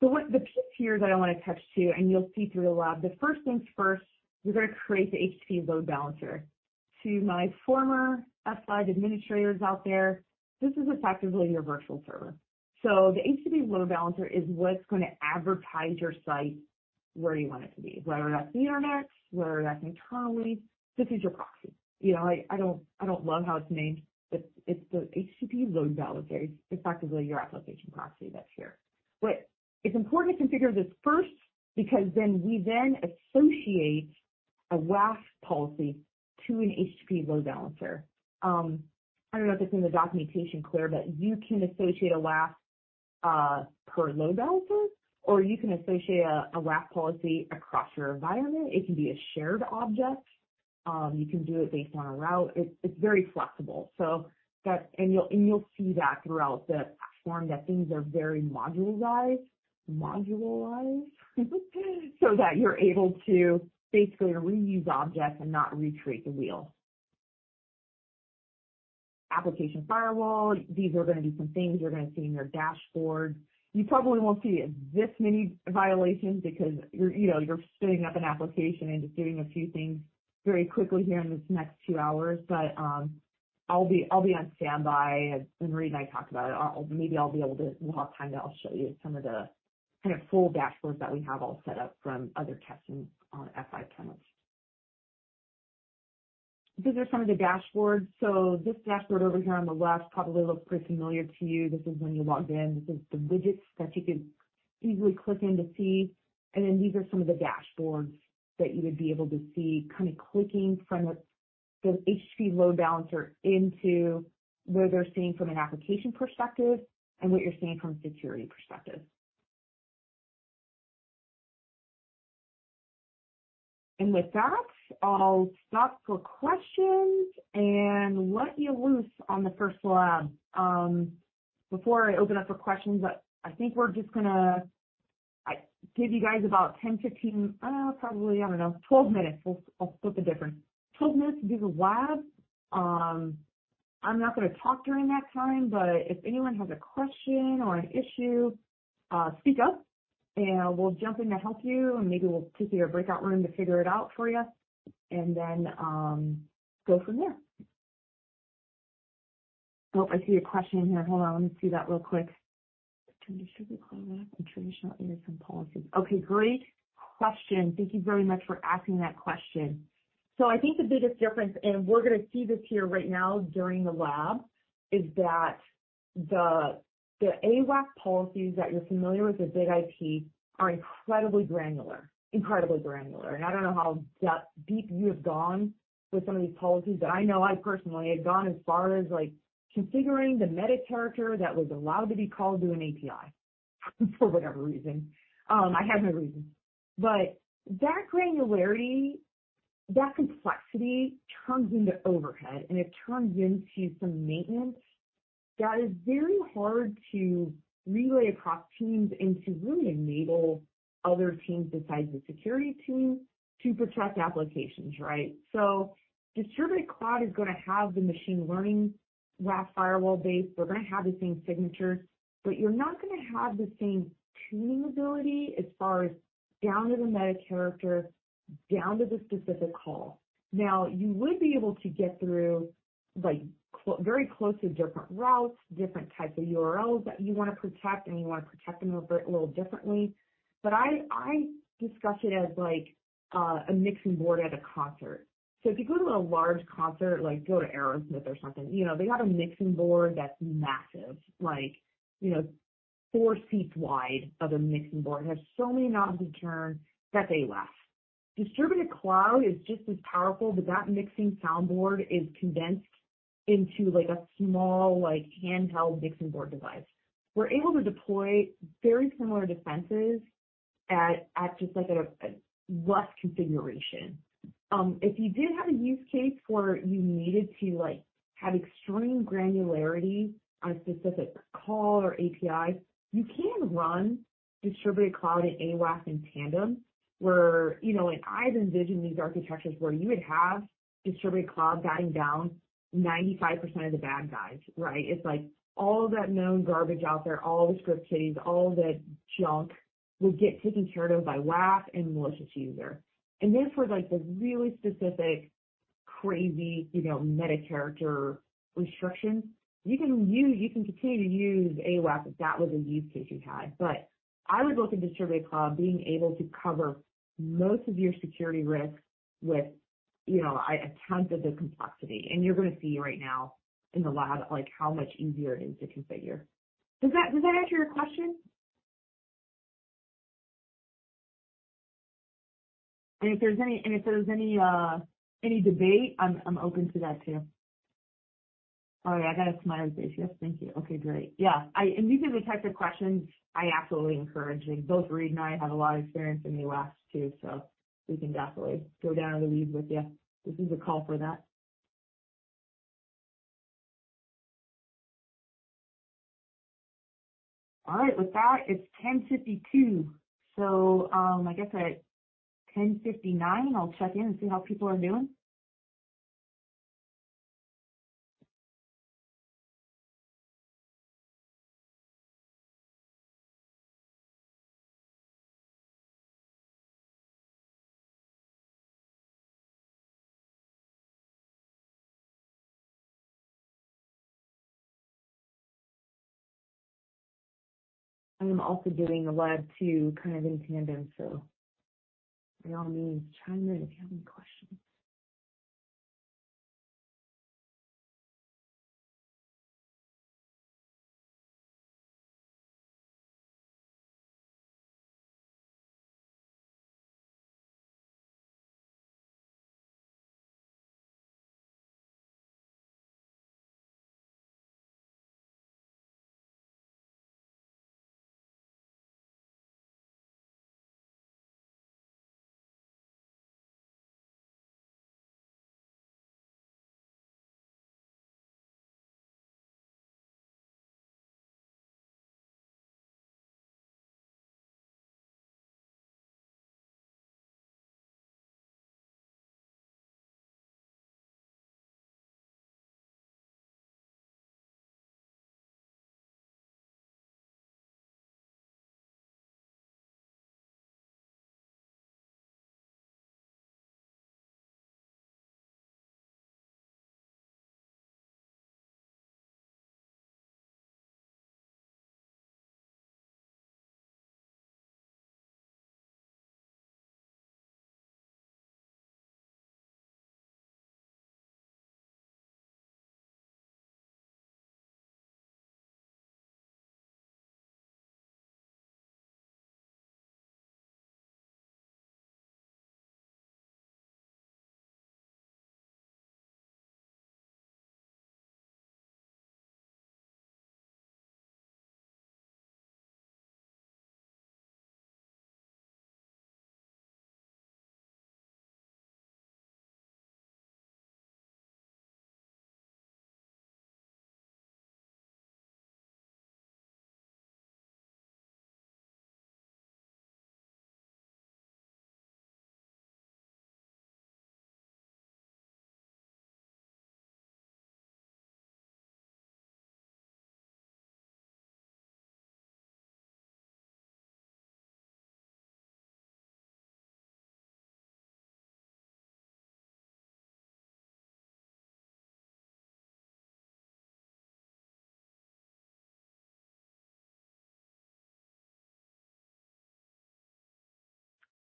So what the piece here that I wanna touch to, and you'll see through the lab, but first things first, we're gonna create the HTTP Load Balancer. To my former F5 administrators out there, this is effectively your virtual server. So the HTTP Load Balancer is what's gonna advertise your site where you want it to be, whether or not the Internet, whether that's internally, this is your proxy. You know, I don't love how it's named, but it's the HTTP Load Balancer. It's effectively your application proxy that's here. But it's important to configure this first, because then we associate a WAF policy to an HTTP Load Balancer. I don't know if it's in the documentation clear, but you can associate a WAF per load balancer, or you can associate a WAF policy across your environment. It can be a shared object. You can do it based on a route. It's very flexible. So that and you'll see that throughout the platform, that things are very modularized, so that you're able to basically reuse objects and not recreate the wheel. Application Firewall, these are gonna be some things you're gonna see in your dashboard. You probably won't see this many violations because you're, you know, you're spinning up an application and just doing a few things very quickly here in this next two hours. But, I'll be on standby. And the reason I talked about it, maybe I'll be able to. We'll have time. I'll show you some of the kind of full dashboards that we have all set up from other tests on F5 products. These are some of the dashboards. So this dashboard over here on the left probably looks pretty familiar to you. This is when you log in. This is the widgets that you can easily click in to see. And then these are some of the dashboards that you would be able to see, kind of clicking from the HTTP Load Balancer into what they're seeing from an application perspective and what you're seeing from a security perspective. And with that, I'll stop for questions and let you loose on the first lab. Before I open up for questions, I think we're just gonna, I give you guys about 10, 15, probably, I don't know, 12 minutes. I'll split the difference. 12 minutes to do the lab. I'm not gonna talk during that time, but if anyone has a question or an issue, speak up, and we'll jump in to help you, and maybe we'll take you to a breakout room to figure it out for you, and then go from there. Oh, I see a question in here. Hold on, let me see that real quick. Traditional cloud and traditional and some policies. Okay, great question. Thank you very much for asking that question. So I think the biggest difference, and we're gonna see this here right now during the lab, is that the WAAP policies that you're familiar with, the BIG-IP, are incredibly granular, incredibly granular. I don't know how deep you have gone with some of these policies, but I know I personally have gone as far as, like, configuring the metacharacter that was allowed to be called through an API, for whatever reason. I have no reason. But that granularity, that complexity, turns into overhead, and it turns into some maintenance that is very hard to relay across teams and to really enable other teams besides the security team to protect applications, right? Distributed Cloud is gonna have the machine learning WAF firewall base. We're gonna have the same signatures, but you're not gonna have the same tuning ability as far as down to the metacharacter, down to the specific call. Now, you would be able to get through, like, very close to different routes, different types of URLs that you wanna protect, and you wanna protect them a little, little differently. But I, I discuss it as like, a mixing board at a concert. So if you go to a large concert, like go to Aerosmith or something, you know, they got a mixing board that's massive, like, you know, four feet wide of a mixing board. It has so many knobs to turn that they laugh. Distributed Cloud is just as powerful, but that mixing sound board is condensed into like a small, like, handheld mixing board device. We're able to deploy very similar defenses at just like at a less configuration. If you did have a use case where you needed to, like, have extreme granularity on specific call or API, you can run Distributed Cloud and AWAF in tandem, where, you know and I've envisioned these architectures where you would have Distributed Cloud batting down 95% of the bad guys, right? It's like all that known garbage out there, all the script kiddies, all that junk would get taken care of by WAF and malicious user. And then for, like, the really specific, crazy, you know, metacharacter restrictions, you can use-- you can continue to use AWAF, if that was a use case you had. But I would look at Distributed Cloud being able to cover most of your security risks with, you know, a tenth of the complexity. And you're gonna see right now in the lab, like, how much easier it is to configure. Does that, does that answer your question? And if there's any, and if there's any debate, I'm, I'm open to that, too. All right, I got a smiley face. Yes, thank you. Okay, great. Yeah, and these are the types of questions I absolutely encourage. And both Reid and I have a lot of experience in the AWAF, too, so we can definitely go down the weeds with you. This is a call for that. All right, with that, it's 10:52. So, I guess at 10:59, I'll check in and see how people are doing. I am also doing a lab, too, kind of in tandem. So by all means, chime in if you have any questions.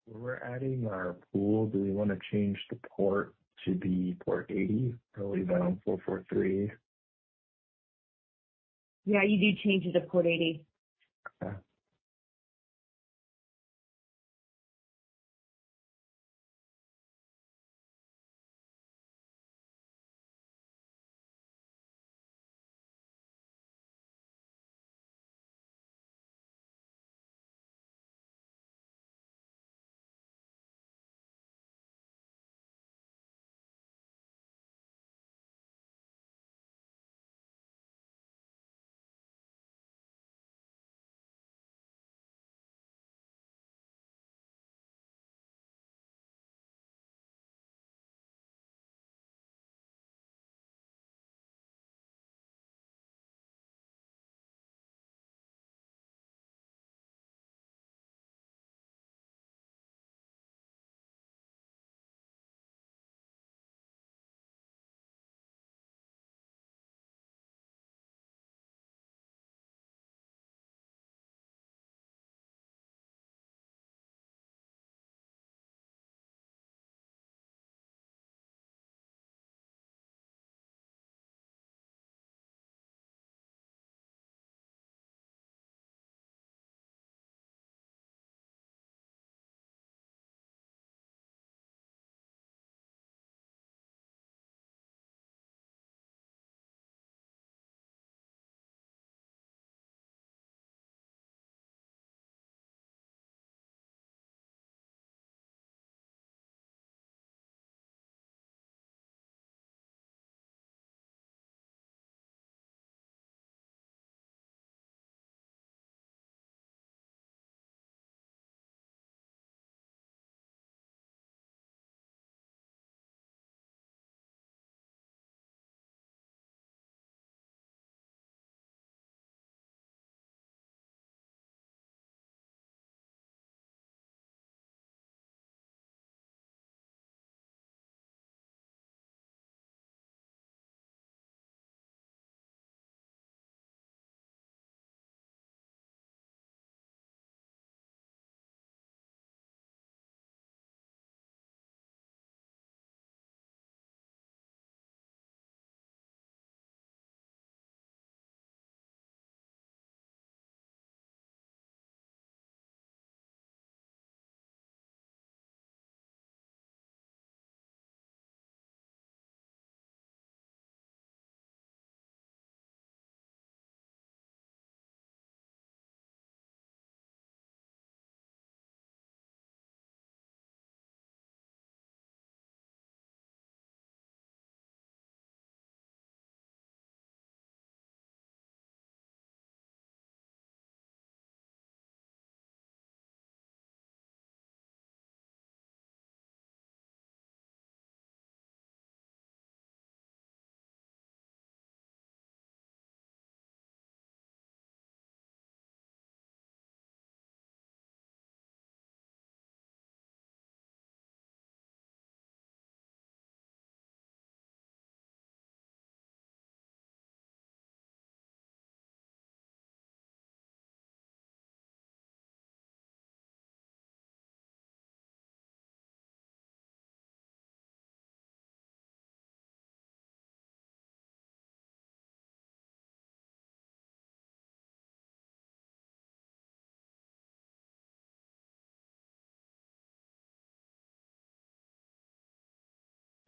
When we're adding our pool, do we wanna change the port to be port 80 or leave it on 443? Yeah, you do change it to port 80.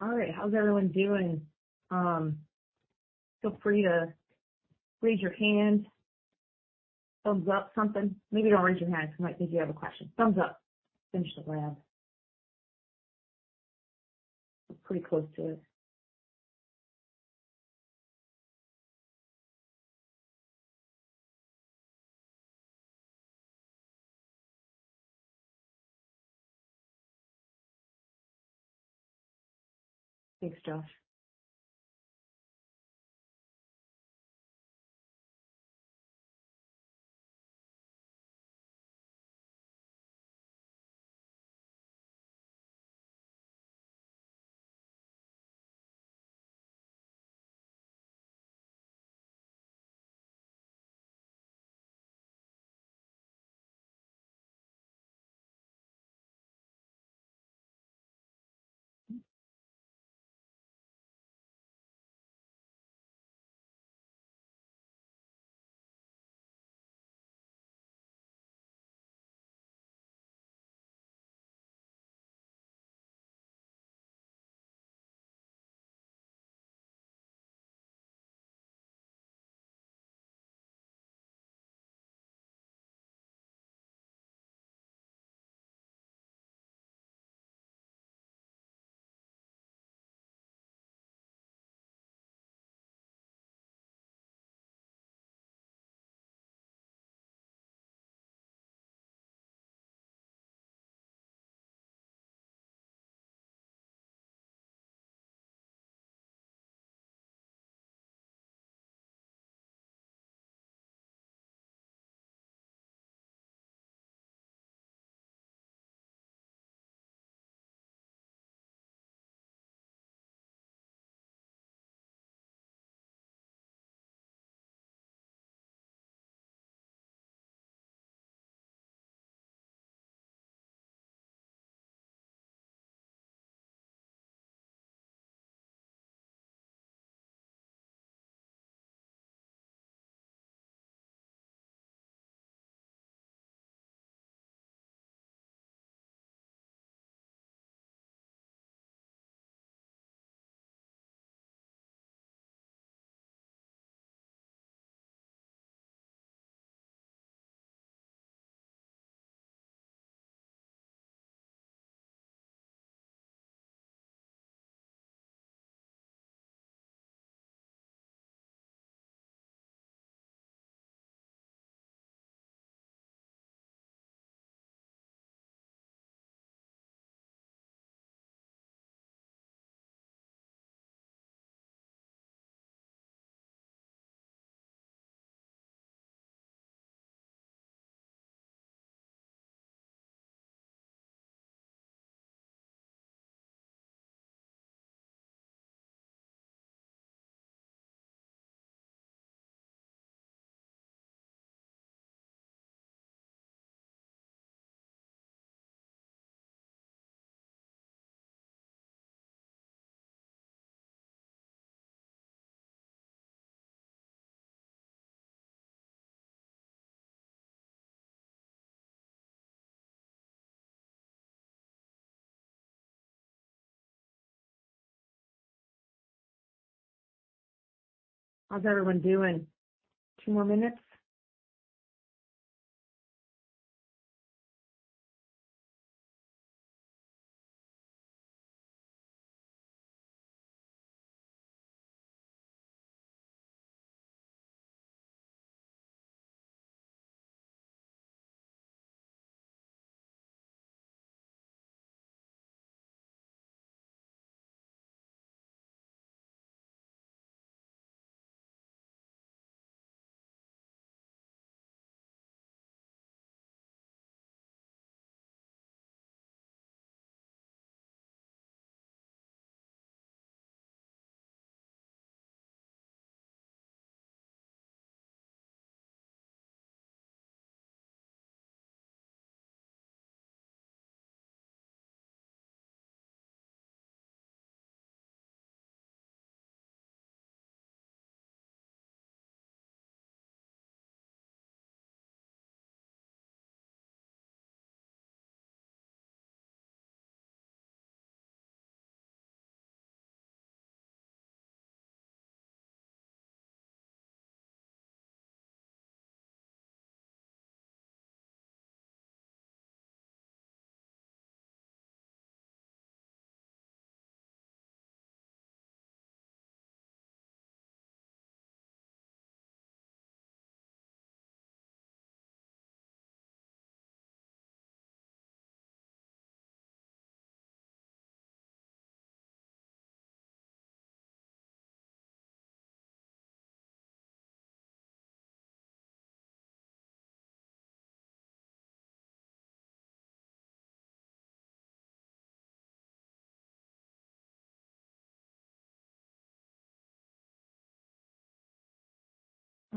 Okay. All right, how's everyone doing? Feel free to raise your hand, thumbs up, something. Maybe don't raise your hand, 'cause I might think you have a question. Thumbs up. Finish the lab. Pretty close to it. Thanks, Josh. How's everyone doing? 2 more minutes?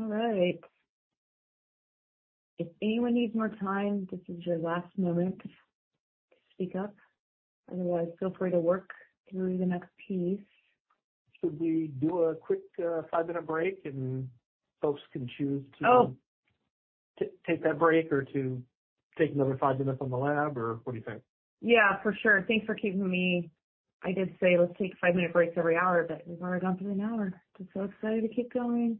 All right. If anyone needs more time, this is your last moment to speak up. Otherwise, feel free to work through the next piece. Should we do a quick five-minute break, and folks can choose to take that break or to take another five minutes on the lab, or what do you think? Yeah, for sure. Thanks for keeping me. I did say let's take five-minute breaks every hour, but we've already gone through an hour. Just so excited to keep going.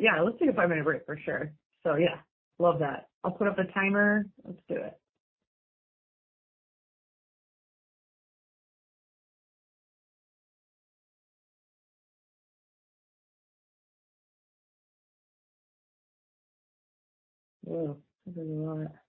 Yeah, let's take a five-minute break for sure. So yeah, love that. I'll put up a timer. Let's do it. Oh, all right.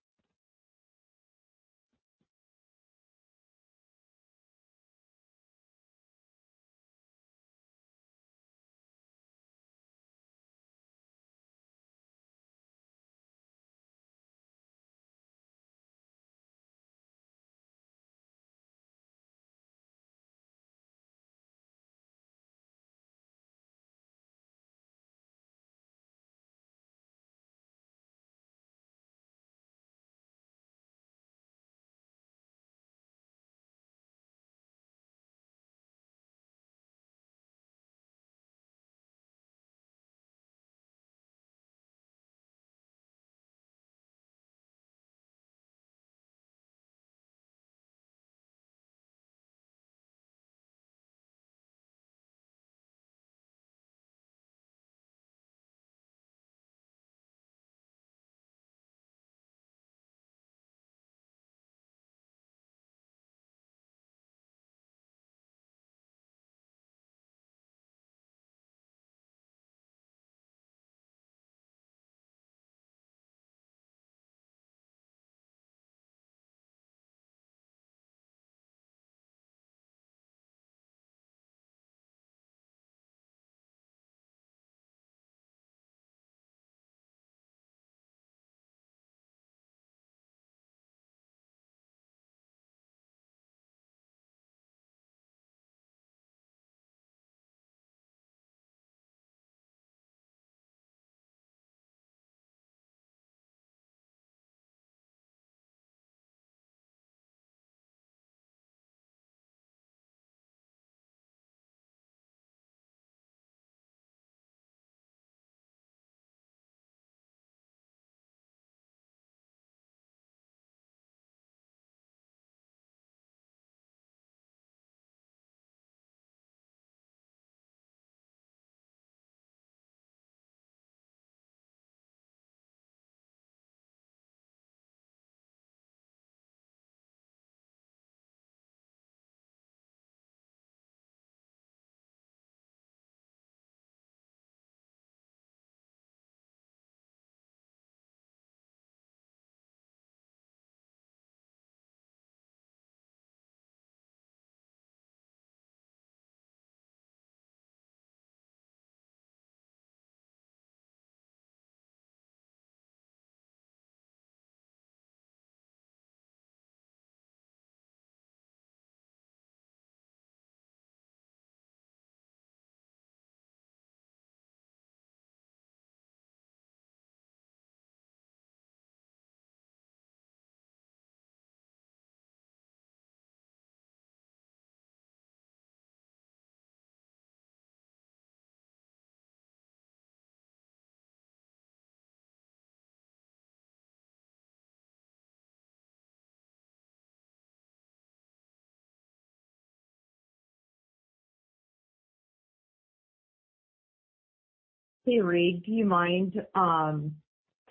Hey, Reid, do you mind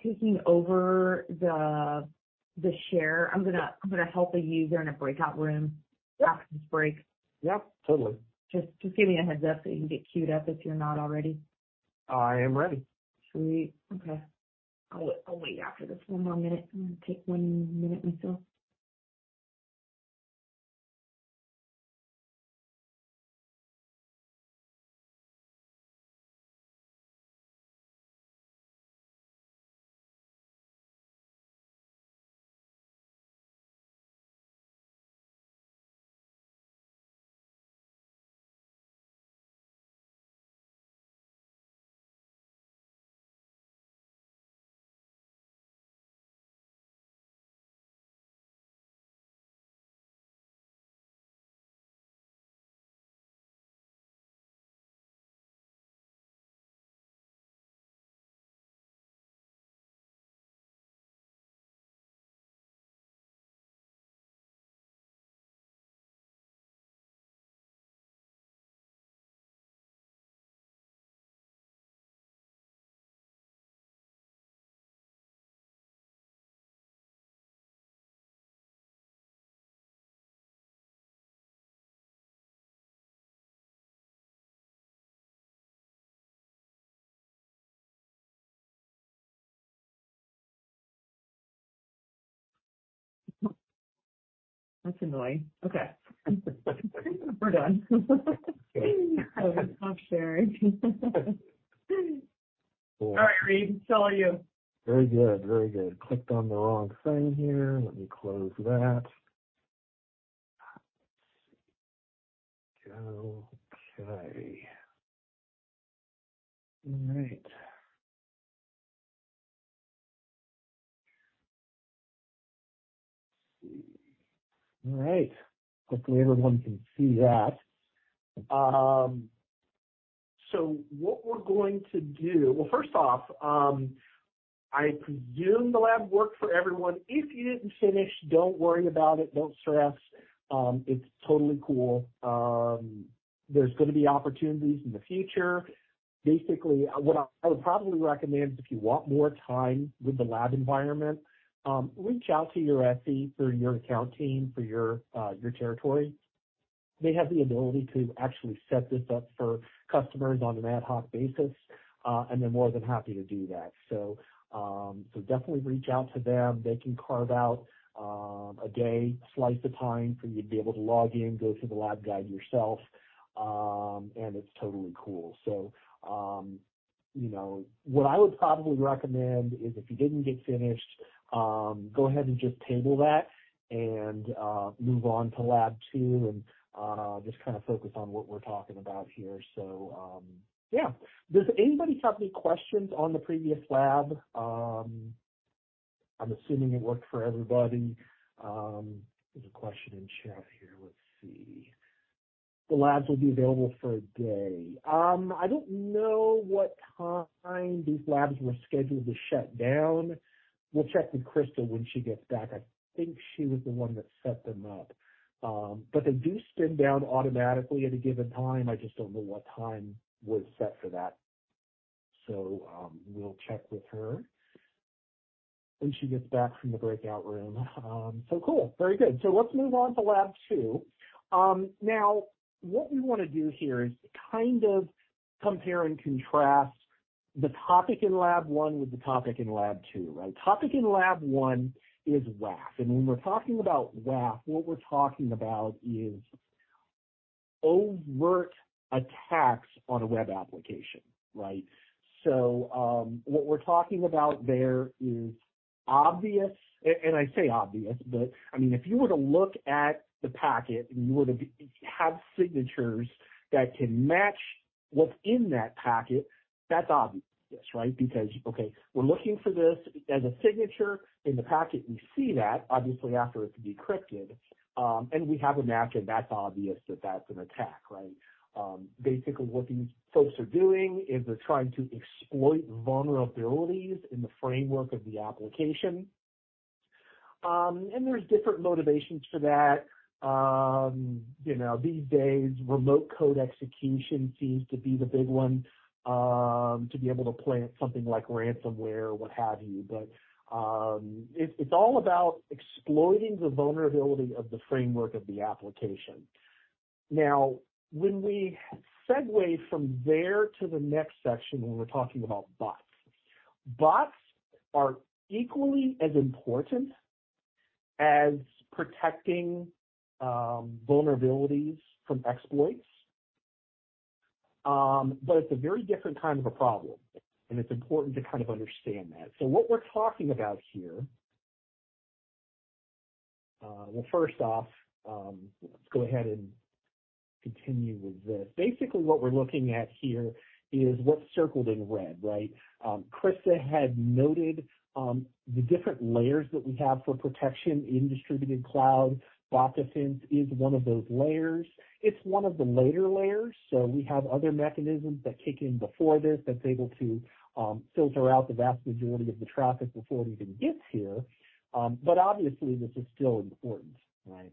taking over the share? I'm gonna help a user in a breakout room after this break. Yeah, totally. Just give me a heads up, so you can get queued up if you're not already. I am ready. Sweet. Okay. I'll wait after this one more minute and take one minute myself. That's annoying. Okay, we're done. I'll stop sharing. All right, Reid, so are you. Very good. Very good. Clicked on the wrong thing here. Let me close that. Okay. All right. All right, hopefully everyone can see that. So what we're going to do well, first off, I presume the lab worked for everyone. If you didn't finish, don't worry about it. Don't stress. It's totally cool. There's gonna be opportunities in the future. Basically, what I, I would probably recommend, if you want more time with the lab environment, reach out to your SE through your account team, for your, your territory. They have the ability to actually set this up for customers on an ad hoc basis, and they're more than happy to do that. So, so definitely reach out to them. They can carve out, a day, slice of time for you to be able to log in, go through the lab guide yourself, and it's totally cool. So, you know, what I would probably recommend is, if you didn't get finished, go ahead and just table that, and, move on to lab two, and, just kind of focus on what we're talking about here. So, yeah. Does anybody have any questions on the previous lab? I'm assuming it worked for everybody. There's a question in chat here. Let's see. The labs will be available for a day. I don't know what time these labs were scheduled to shut down. We'll check with Krista when she gets back. I think she was the one that set them up. But they do spin down automatically at a given time. I just don't know what time was set for that. So, we'll check with her when she gets back from the breakout room. So cool. Very good. So let's move on to lab two. Now, what we wanna do here is kind of compare and contrast the topic in lab one with the topic in lab two, right? Topic in lab one is WAF, and when we're talking about WAF, what we're talking about is overt attacks on a web application, right? So, what we're talking about there is obvious, and I say obvious, but, I mean, if you were to look at the packet, and you were to have signatures that can match what's in that packet, that's obvious, right? Because, okay, we're looking for this as a signature in the packet, we see that obviously after it's decrypted, and we have a match, and that's obvious that that's an attack, right? Basically what these folks are doing is they're trying to exploit vulnerabilities in the framework of the application. And there's different motivations for that. You know, these days, remote code execution seems to be the big one, to be able to plant something like ransomware or what have you. But, it's, it's all about exploiting the vulnerability of the framework of the application. Now, when we segue from there to the next section, when we're talking about bots, bots are equally as important as protecting, vulnerabilities from exploits. But it's a very different kind of a problem, and it's important to kind of understand that. So what we're talking about here. Well, first off, let's go ahead and continue with this. Basically, what we're looking at here is what's circled in red, right? Krista had noted the different layers that we have for protection in Distributed Cloud. Bot Defense is one of those layers. It's one of the later layers, so we have other mechanisms that kick in before this, that's able to filter out the vast majority of the traffic before it even gets here. But obviously, this is still important, right?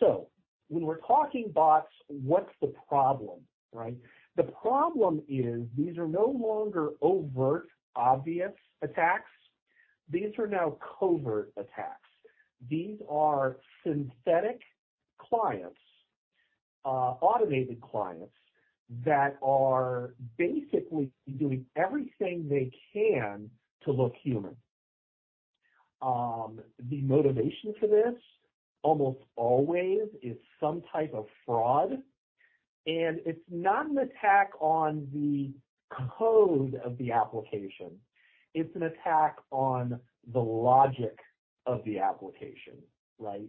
So when we're talking bots, what's the problem, right? The problem is these are no longer overt, obvious attacks. These are now covert attacks. These are synthetic clients, automated clients that are basically doing everything they can to look human. The motivation for this almost always is some type of fraud, and it's not an attack on the code of the application, it's an attack on the logic of the application, right?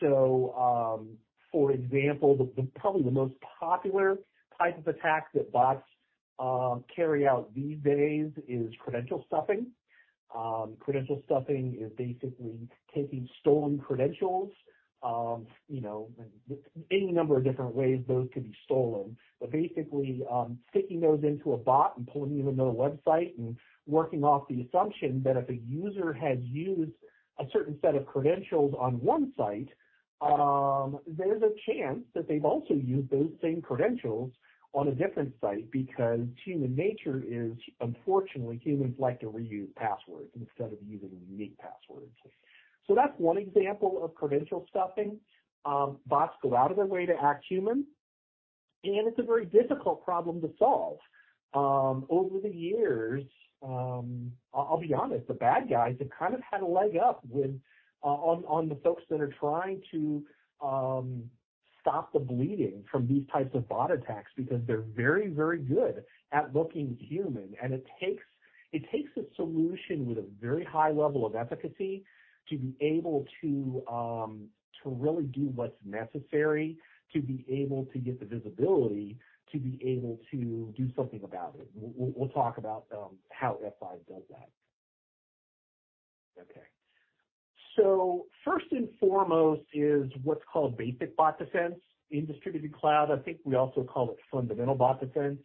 So, for example, the, probably the most popular type of attack that bots carry out these days is credential stuffing. Credential stuffing is basically taking stolen credentials, you know, any number of different ways those could be stolen. But basically, sticking those into a bot and pulling them into a website and working off the assumption that if a user has used a certain set of credentials on one site, there's a chance that they've also used those same credentials on a different site, because human nature is, unfortunately, humans like to reuse passwords instead of using unique passwords. So that's one example of credential stuffing. Bots go out of their way to act human, and it's a very difficult problem to solve. Over the years, I'll be honest, the bad guys have kind of had a leg up with, on the folks that are trying to stop the bleeding from these types of bot attacks because they're very, very good at looking human. And it takes a solution with a very high level of efficacy to be able to really do what's necessary, to be able to get the visibility, to be able to do something about it. We'll talk about how F5 does that. Okay. So first and foremost is what's called Basic Bot Defense in Distributed Cloud. I think we also call it fundamental bot defense.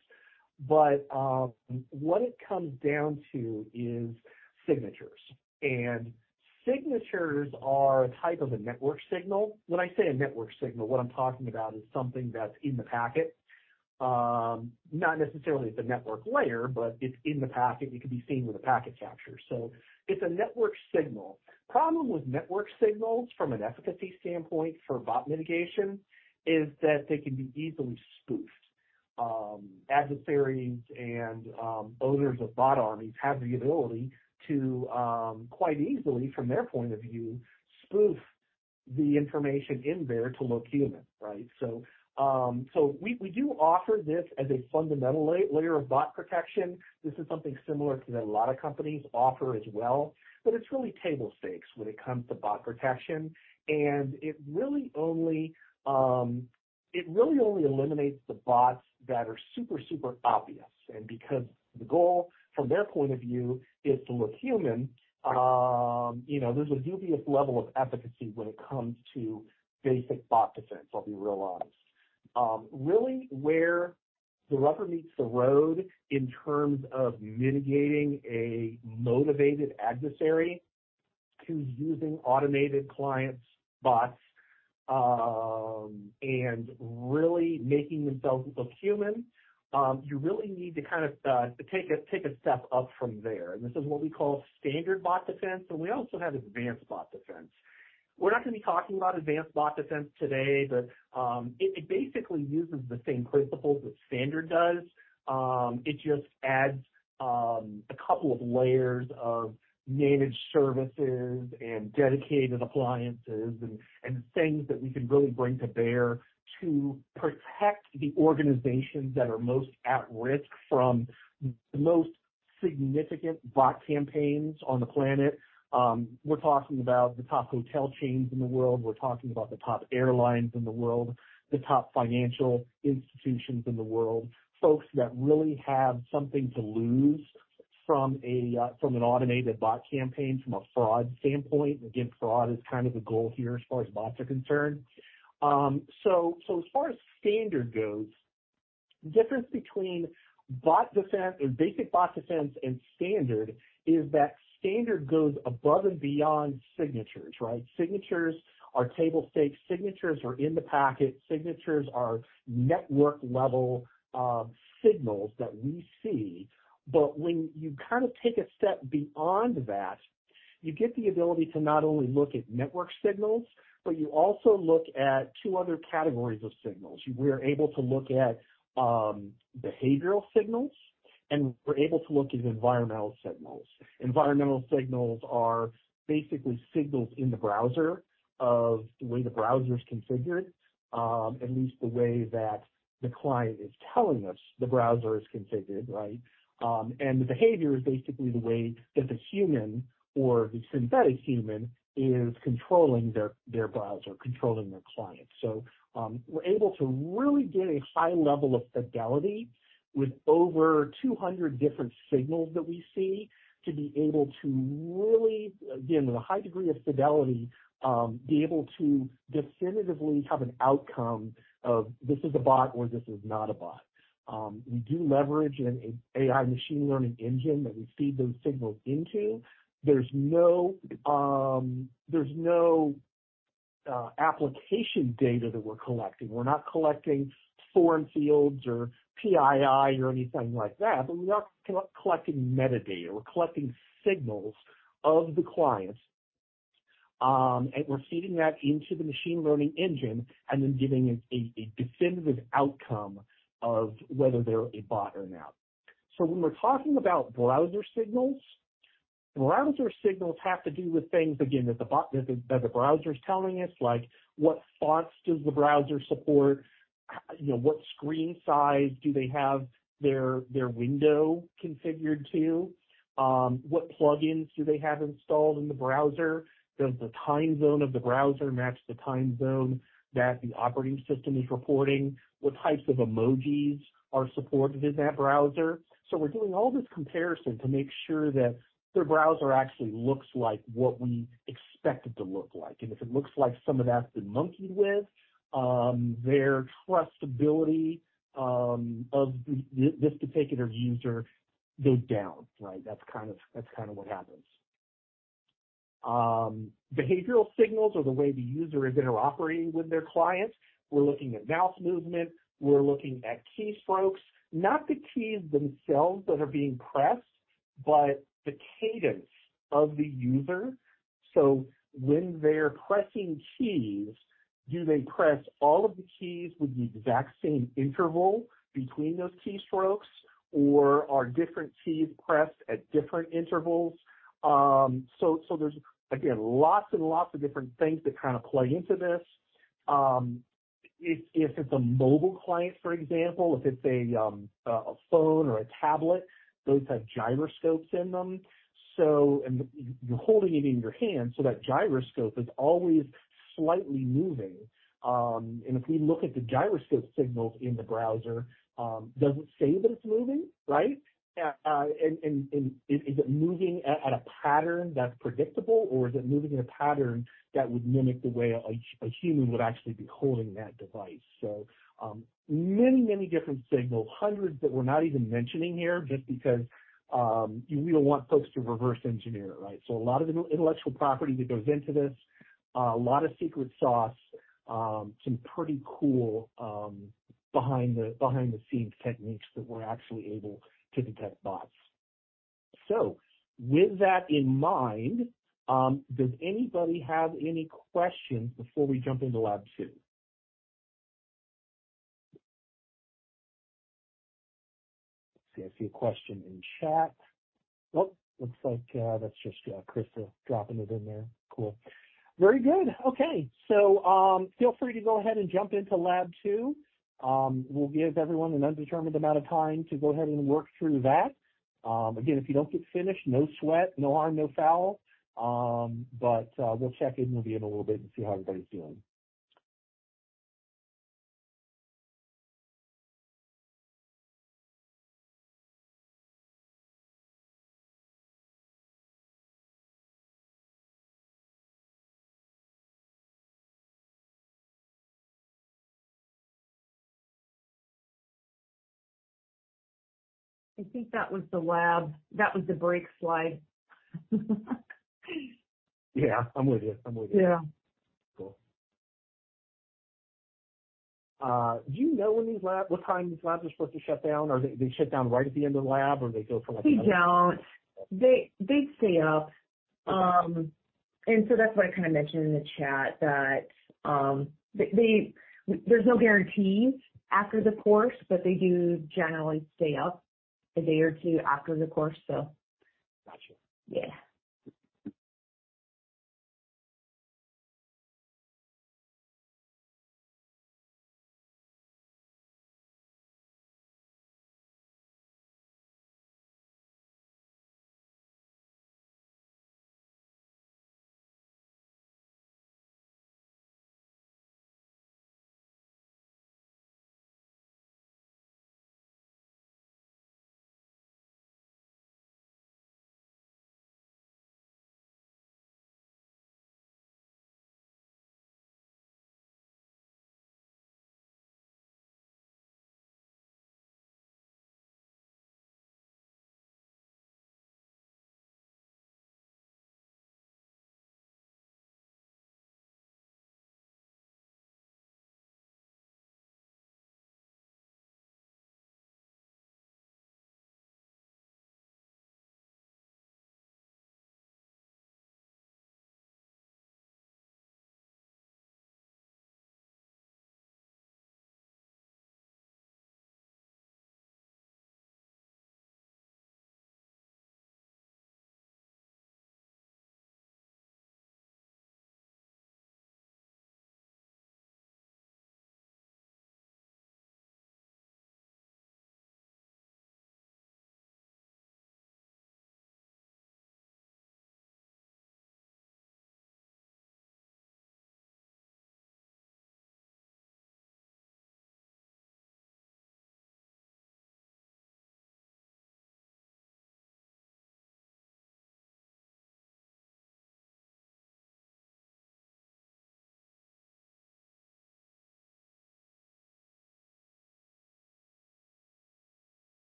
But, what it comes down to is signatures, and signatures are a type of a network signal. When I say a network signal, what I'm talking about is something that's in the packet, not necessarily at the network layer, but it's in the packet. It can be seen with a packet capture, so it's a network signal. Problem with network signals from an efficacy standpoint for bot mitigation, is that they can be easily spoofed. Adversaries and, owners of bot armies have the ability to, quite easily, from their point of view, spoof the information in there to look human, right? So, so we, we do offer this as a fundamental layer of bot protection. This is something similar to that a lot of companies offer as well, but it's really table stakes when it comes to bot protection. It really only, it really only eliminates the bots that are super, super obvious. And because the goal from their point of view is to look human, you know, there's a dubious level of efficacy when it comes to Basic Bot Defense, I'll be real honest. Really, where the rubber meets the road in terms of mitigating a motivated adversary to using automated clients, bots, and really making themselves look human, you really need to kind of, take a, take a step up from there. And this is what we call Standard Bot Defense, and we also have Advanced Bot Defense. We're not going to be talking about Advanced Bot Defense today, but, it, it basically uses the same principles that Standard does. It just adds a couple of layers of managed services and dedicated appliances and things that we can really bring to bear to protect the organizations that are most at risk from the most significant bot campaigns on the planet. We're talking about the top hotel chains in the world. We're talking about the top airlines in the world, the top financial institutions in the world. Folks that really have something to lose from an automated bot campaign, from a fraud standpoint. Again, fraud is kind of the goal here as far as bots are concerned. So as far as standard goes, the difference between bot defense and Basic Bot Defense and standard is that standard goes above and beyond signatures, right? Signatures are table stakes. Signatures are in the packet. Signatures are network-level signals that we see. But when you kind of take a step beyond that, you get the ability to not only look at network signals, but you also look at two other categories of signals. We are able to look at behavioral signals, and we're able to look at environmental signals. Environmental signals are basically signals in the browser of the way the browser is configured, at least the way that the client is telling us the browser is configured, right? And the behavior is basically the way that the human or the synthetic human is controlling their, their browser, controlling their client. So, we're able to really get a high level of fidelity with over 200 different signals that we see, to be able to really, again, with a high degree of fidelity, be able to definitively have an outcome of this is a bot or this is not a bot. We do leverage an AI machine learning engine that we feed those signals into. There's no application data that we're collecting. We're not collecting form fields or PII or anything like that, but we're not collecting metadata. We're collecting signals of the client, and we're feeding that into the machine learning engine and then giving it a definitive outcome of whether they're a bot or not. So when we're talking about browser signals, browser signals have to do with things, again, that the browser is telling us, like, what fonts does the browser support? You know, what screen size do they have their window configured to? What plugins do they have installed in the browser? Does the time zone of the browser match the time zone that the operating system is reporting? What types of emojis are supported in that browser? So we're doing all this comparison to make sure that their browser actually looks like what we expect it to look like. And if it looks like some of that's been monkeyed with, their trustability of this particular user goes down, right? That's kind of what happens. Behavioral signals or the way the user is interacting with their clients. We're looking at mouse movement, we're looking at keystrokes, not the keys themselves that are being pressed, but the cadence of the user. So when they're pressing keys, do they press all of the keys with the exact same interval between those keystrokes or are different keys pressed at different intervals? So there's, again, lots and lots of different things that kind of play into this. If it's a mobile client, for example, if it's a phone or a tablet, those have gyroscopes in them, so and you're holding it in your hand, so that gyroscope is always slightly moving. And if we look at the gyroscope signals in the browser, does it say that it's moving, right? Is it moving at a pattern that's predictable, or is it moving in a pattern that would mimic the way a human would actually be holding that device? So, many, many different signals, hundreds that we're not even mentioning here, just because we don't want folks to reverse engineer, right? So a lot of the intellectual property that goes into this, a lot of secret sauce, some pretty cool behind the scenes techniques that we're actually able to detect bots. So with that in mind, does anybody have any questions before we jump into lab two? Let's see. I see a question in chat. Oh, looks like that's just Krista dropping it in there. Cool. Very good. Okay, so, feel free to go ahead and jump into lab two. We'll give everyone an undetermined amount of time to go ahead and work through that. Again, if you don't get finished, no sweat, no harm, no foul. But we'll check in with you in a little bit and see how everybody's doing. I think that was the lab. That was the break slide. Yeah, I'm with you. I'm with you. Yeah. Cool. Do you know when these lab, what time these labs are supposed to shut down? Or they shut down right at the end of the lab, or they go for like. They don't. They stay up. And so that's what I kind of mentioned in the chat, that they. There's no guarantee after the course, but they do generally stay up a day or two after the course, so. Gotcha. Yeah.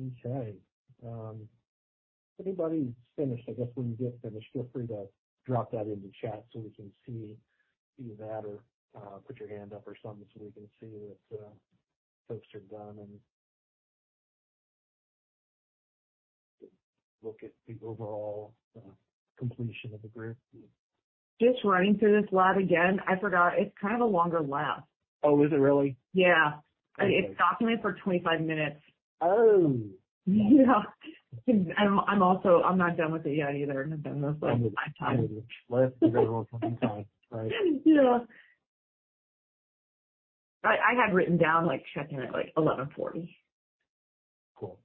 Okay, anybody who's finished, I guess when you get finished, feel free to drop that in the chat so we can see, see that or, put your hand up or something, so we can see that, folks are done and look at the overall completion of the group. Just running through this lab again, I forgot it's kind of a longer lab. Oh, is it really? Yeah. It's documented for 25 minutes. Oh! Yeah. And I'm also not done with it yet either, and I've done this like five times. Well, that's right. Yeah. I had written down, like, checking it at, like, 11:40. Cool.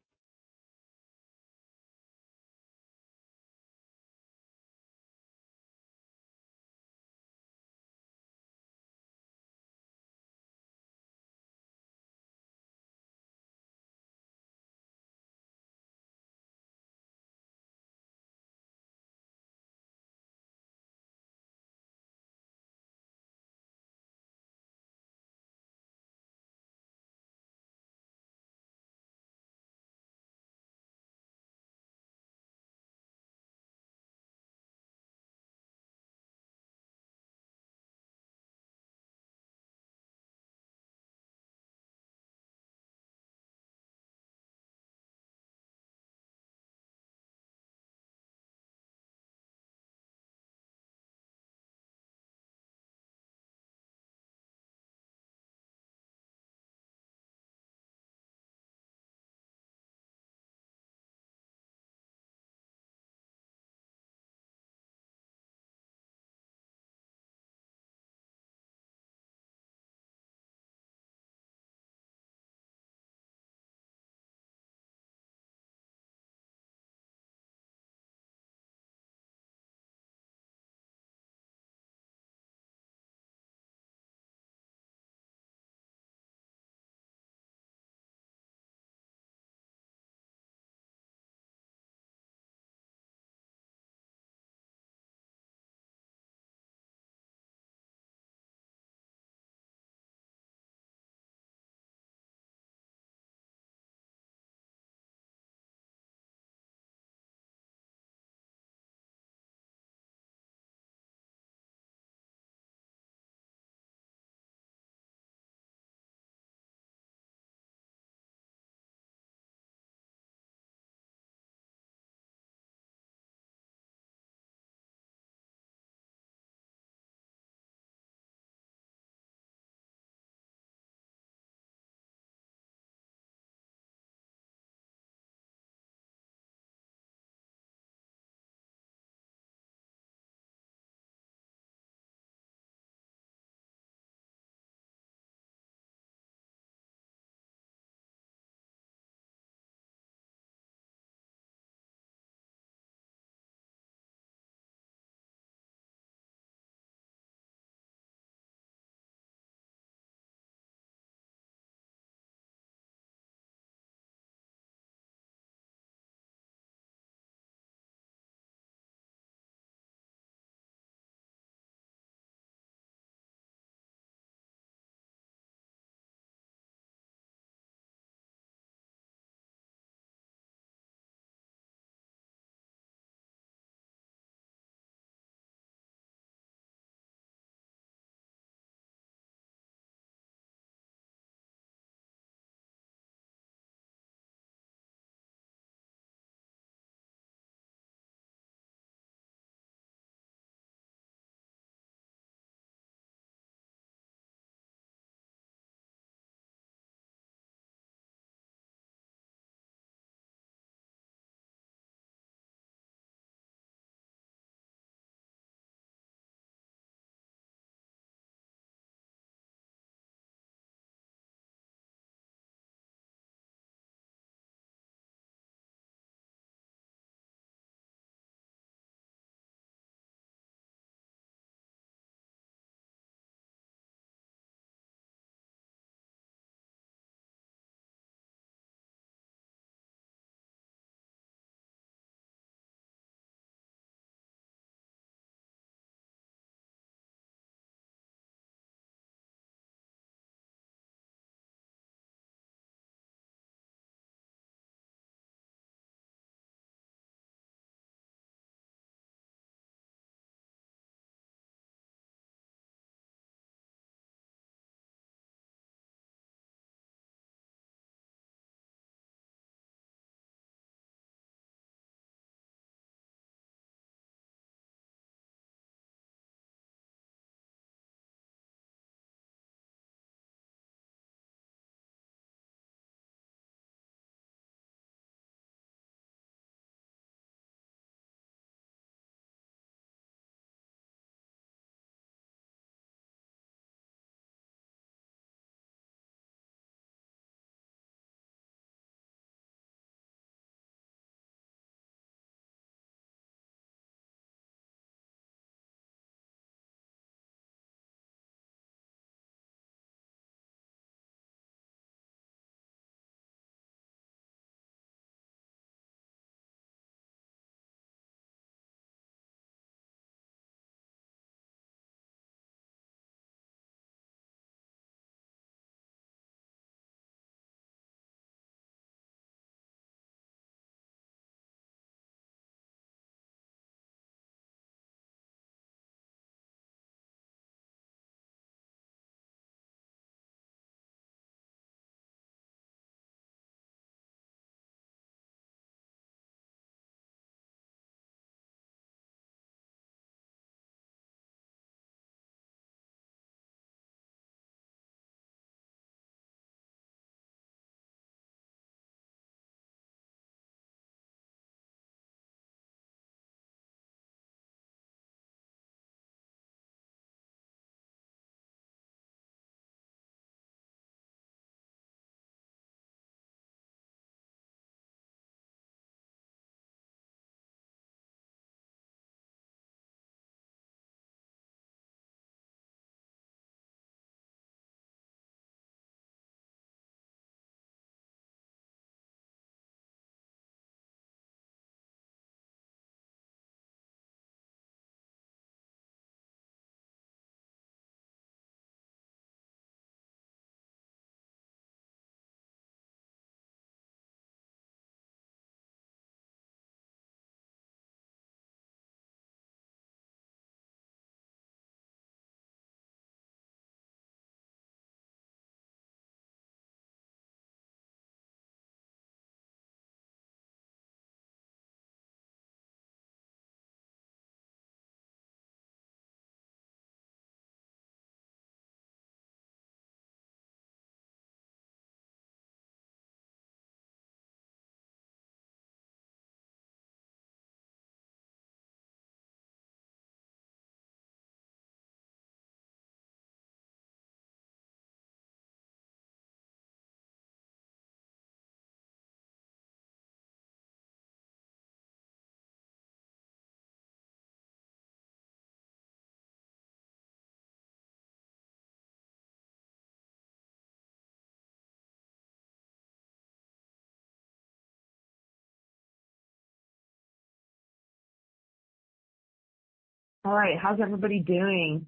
All right, how's everybody doing?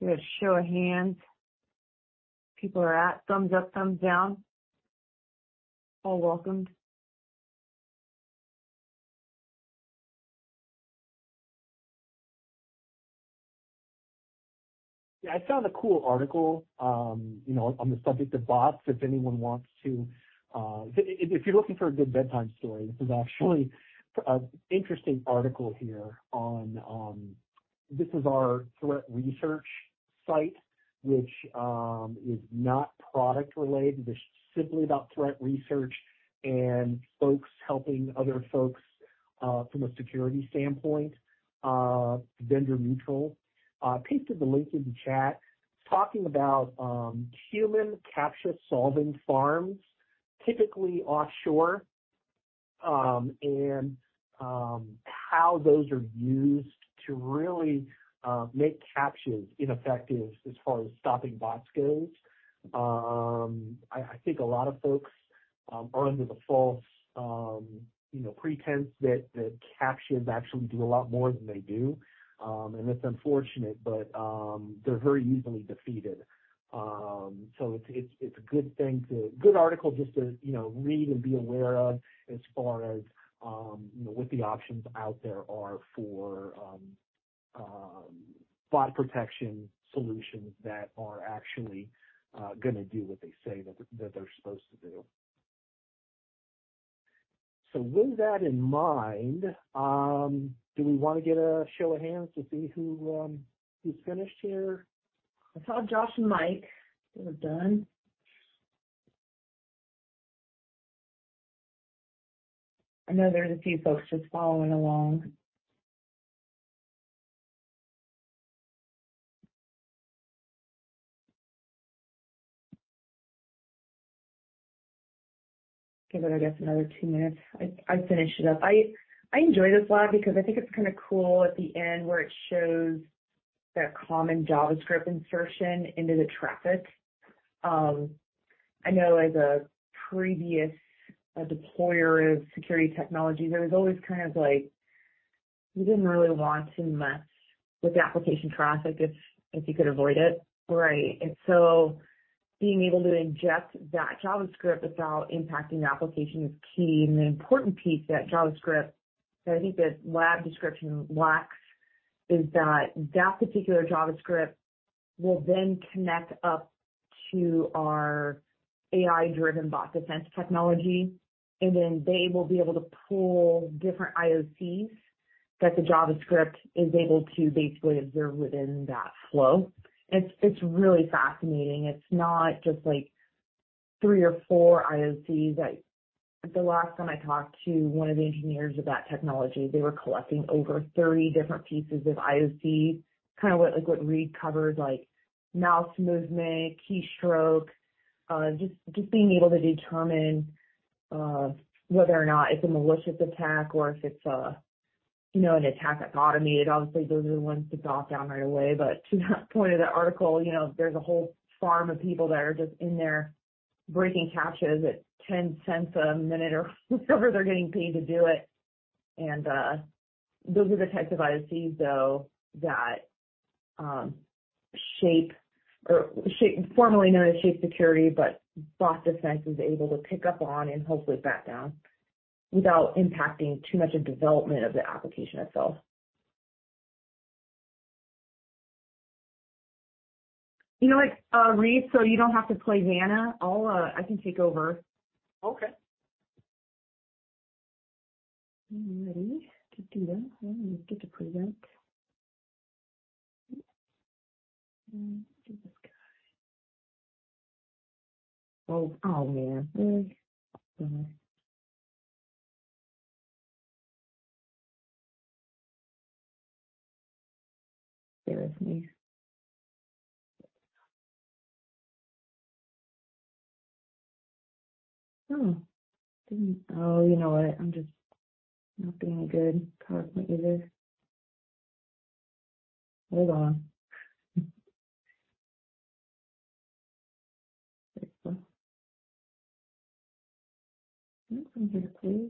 Get a show of hands. People are at thumbs up, thumbs down. All welcomed. Yeah, I found a cool article, you know, on the subject of bots, if anyone wants to. If you're looking for a good bedtime story, this is actually an interesting article here on this is our threat research site, which is not product related. This is simply about threat research and folks helping other folks from a security standpoint, vendor neutral. Pasted the link in the chat, talking about human CAPTCHA-solving farms, typically offshore, and how those are used to really make CAPTCHAs ineffective as far as stopping bots goes. I think a lot of folks are under the false, you know, pretense that CAPTCHAs actually do a lot more than they do. And it's unfortunate, but they're very easily defeated. So it's a good thing to good article just to, you know, read and be aware of, as far as, you know, what the options out there are for bot protection solutions that are actually gonna do what they say that they're supposed to do. So with that in mind, do we wanna get a show of hands to see who who's finished here? I saw Josh and Mike, they're done. I know there's a few folks just following along. Give it, I guess, another two minutes. I finished it up. I enjoy this lab because I think it's kind of cool at the end, where it shows that common JavaScript insertion into the traffic. I know as a previous deployer of security technology, there was always kind of like, you didn't really want too much with the application traffic if you could avoid it. Right, and so being able to inject that JavaScript without impacting the application is key. And the important piece, that JavaScript, that I think the lab description lacks, is that that particular JavaScript will then connect up to our AI-driven bot defense technology, and then they will be able to pull different IOCs that the JavaScript is able to basically observe within that flow. It's, it's really fascinating. It's not just like 3 or 4 IOCs that the last time I talked to one of the engineers of that technology, they were collecting over 30 different pieces of IOCs, kind of what, like, what Reid covered, like mouse movement, keystroke, just, just being able to determine whether or not it's a malicious attack or if it's a, you know, an attack that's automated. Obviously, those are the ones to block down right away. But to that point of the article, you know, there's a whole farm of people that are just in there, breaking CAPTCHAs at $0.10 a minute or whatever they're getting paid to do it. Those are the types of IOCs, though, that Shape or Shape, formerly known as Shape Security. But Bot Defense is able to pick up on and hopefully bat down without impacting too much of development of the application itself. You know what, Reid, so you don't have to play Vanna, I'll, I can take over. Okay. I'm ready to do that. Let me get the present. Bear with me. You know what? I'm just not being good. Probably leave this. Hold on. From here, please.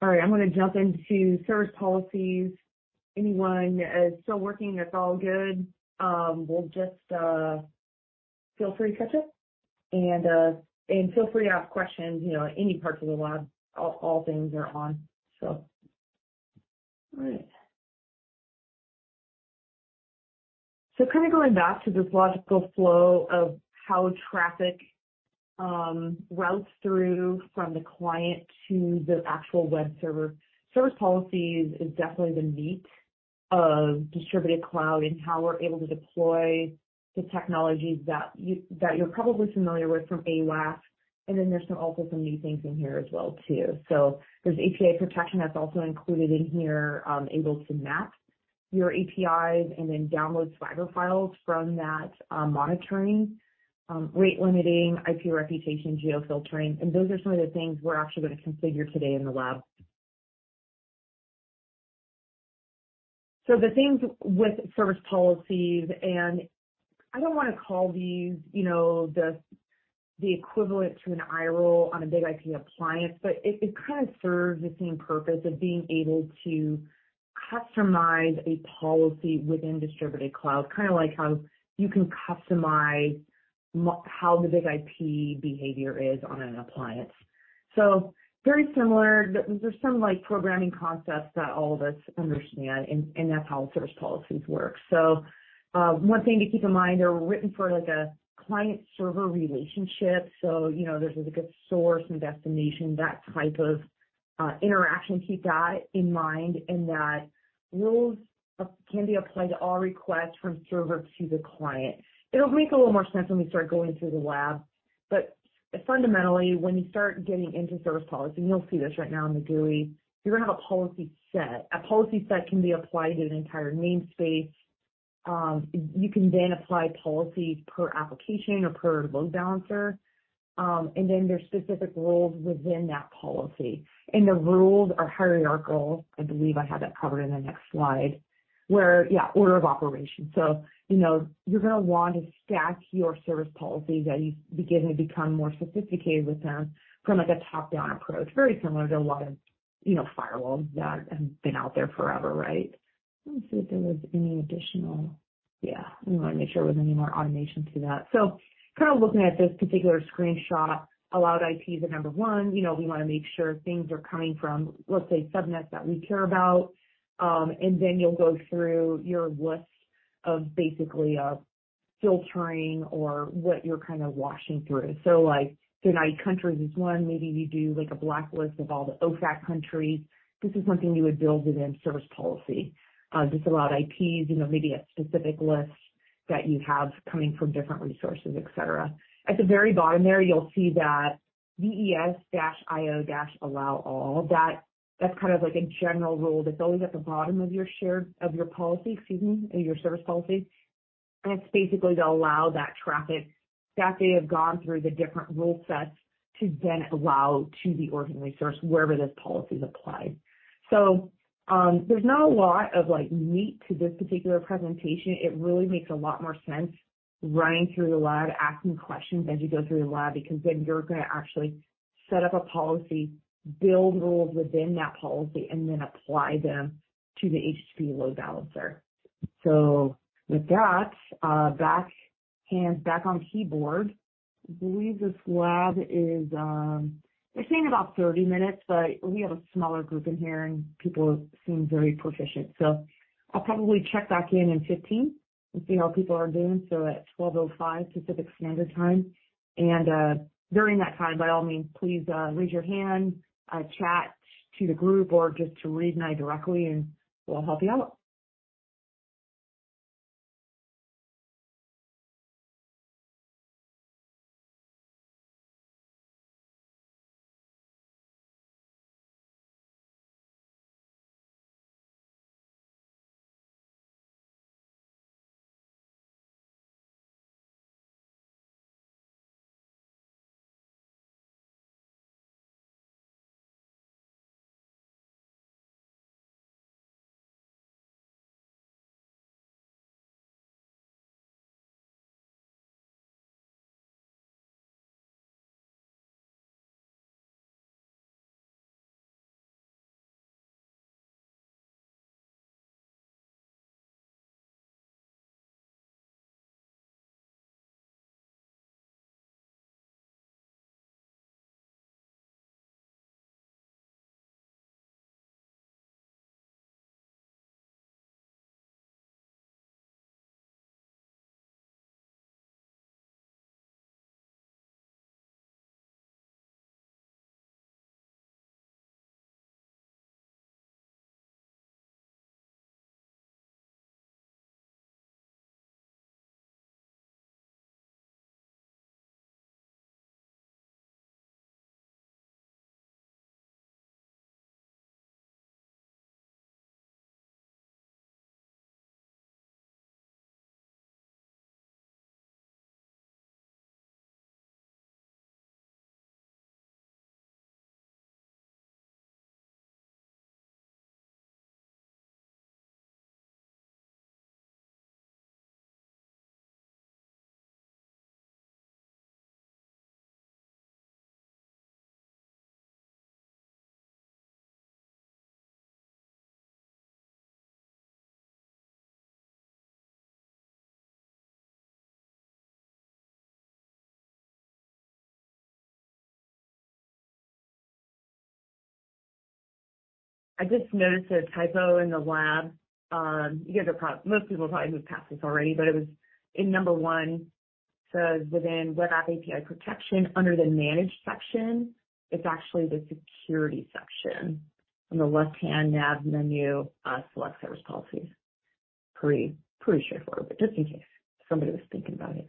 All right, I'm gonna jump into Service Policies. Anyone is still working, that's all good. Well, just feel free to catch up, and feel free to ask questions, you know, any parts of the lab, all things are on. So, all right. So kind of going back to this logical flow of how traffic routes through from the client to the actual web server. Service Policies is definitely the meat of Distributed Cloud and how we're able to deploy the technologies that you, that you're probably familiar with from AWAF, and then there's some, also some new things in here as well, too. So there's API Protection that's also included in here, able to map your APIs and then download spider files from that, monitoring, rate limiting, IP Reputation, Geo-Filtering, and those are some of the things we're actually going to configure today in the lab. So the things with Service Policies, and I don't want to call these, you know, the, the equivalent to an iRule on a BIG-IP appliance, but it, it kind of serves the same purpose of being able to customize a policy within Distributed Cloud, kind of like how you can customize how the BIG-IP behavior is on an appliance. So very similar. There's some, like, programming concepts that all of us understand, and, and that's how Service Policies work. So, one thing to keep in mind, they're written for, like, a client-server relationship. So, you know, there's like a source and destination, that type of interaction. Keep that in mind, and that rules can be applied to all requests from server to the client. It'll make a little more sense when we start going through the lab, but fundamentally, when you start getting into service policy, and you'll see this right now in the GUI, you're going to have a policy set. A policy set can be applied to an entire namespace. You can then apply policies per application or per load balancer. And then there's specific rules within that policy. And the rules are hierarchical. I believe I have that covered in the next slide, where order of operation. So, you know, you're going to want to stack your Service Policies as you begin to become more sophisticated with them from, like, a top-down approach, very similar to a lot of, you know, firewalls that have been out there forever, right? Let me see if there was any additional yeah, we want to make sure there was any more automation to that. So kind of looking at this particular screenshot, allowed IPs are number one. You know, we want to make sure things are coming from, let's say, subnets that we care about. And then you'll go through your list of basically, filtering or what you're kind of washing through. So like, deny countries is one. Maybe you do like a blacklist of all the OFAC countries. This is something you would build within service policy. Just allowed IPs, you know, maybe a specific list that you have coming from different resources, etc. At the very bottom there, you'll see that ves.io/allow-all. That's kind of like a general rule that's always at the bottom of your shared policy, excuse me, your Service Policy, and it's basically to allow that traffic that they have gone through the different rule sets to then allow to the origin resource wherever this policy is applied. So, there's not a lot of, like, meat to this particular presentation. It really makes a lot more sense running through the lab, asking questions as you go through the lab, because then you're going to actually set up a policy, build rules within that policy, and then apply them to the HTTP Load Balancer. So with that, hands back on keyboard. I believe this lab is, they're saying about 30 minutes, but we have a smaller group in here, and people seem very proficient. So I'll probably check back in in 15 and see how people are doing, so at 12:05 Pacific Standard Time. And, during that time, by all means, please, raise your hand, chat to the group or just to Reid and I directly, and we'll help you out. I just noticed a typo in the lab. You guys are prob-- most people probably moved past this already, but it was in number 1, says within Web App & API Protection, under the Manage section, it's actually the Security section. On the left-hand nav menu, select Service Policies. Pretty, pretty straightforward, but just in case somebody was thinking about it.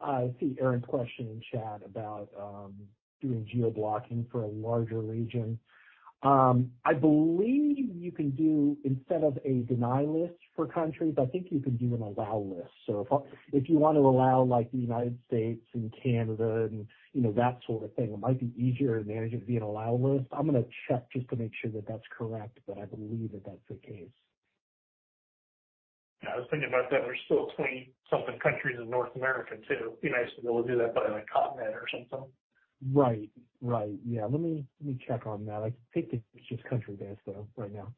I see Aaron question in chat about doing geo-blocking for a larger region. I believe you can do, instead of a deny list for countries, I think you can do an allow list. So if, if you want to allow, like, the United States and Canada and, you know, that sort of thing, it might be easier to manage it via an allow list. I'm gonna check just to make sure that that's correct, but I believe that that's the case. Yeah, I was thinking about that. There's still 20-something countries in North America, too. It'd be nice to be able to do that by, like, continent or something. Right. Right. Yeah. Let me, let me check on that. I think it's just country-based, though, right now.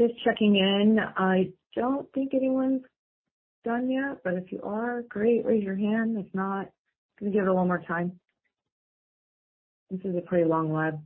.Just checking in. I don't think anyone's done yet, but if you are, great, raise your hand. If not, I'm gonna give it one more time. This is a pretty long web.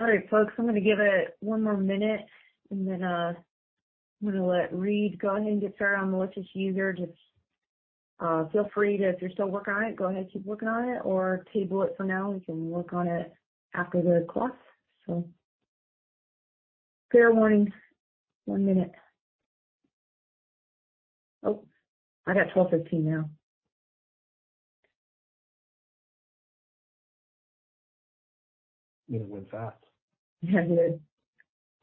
All right, folks, I'm gonna give it one more minute, and then, I'm gonna let Reid go ahead and declare on the malicious user. Just, feel free to, if you're still working on it, go ahead and keep working on it or table it for now. We can work on it after the class. So fair warning, one minute. Oh, I got 12:15 now. It went fast. Yeah, it did.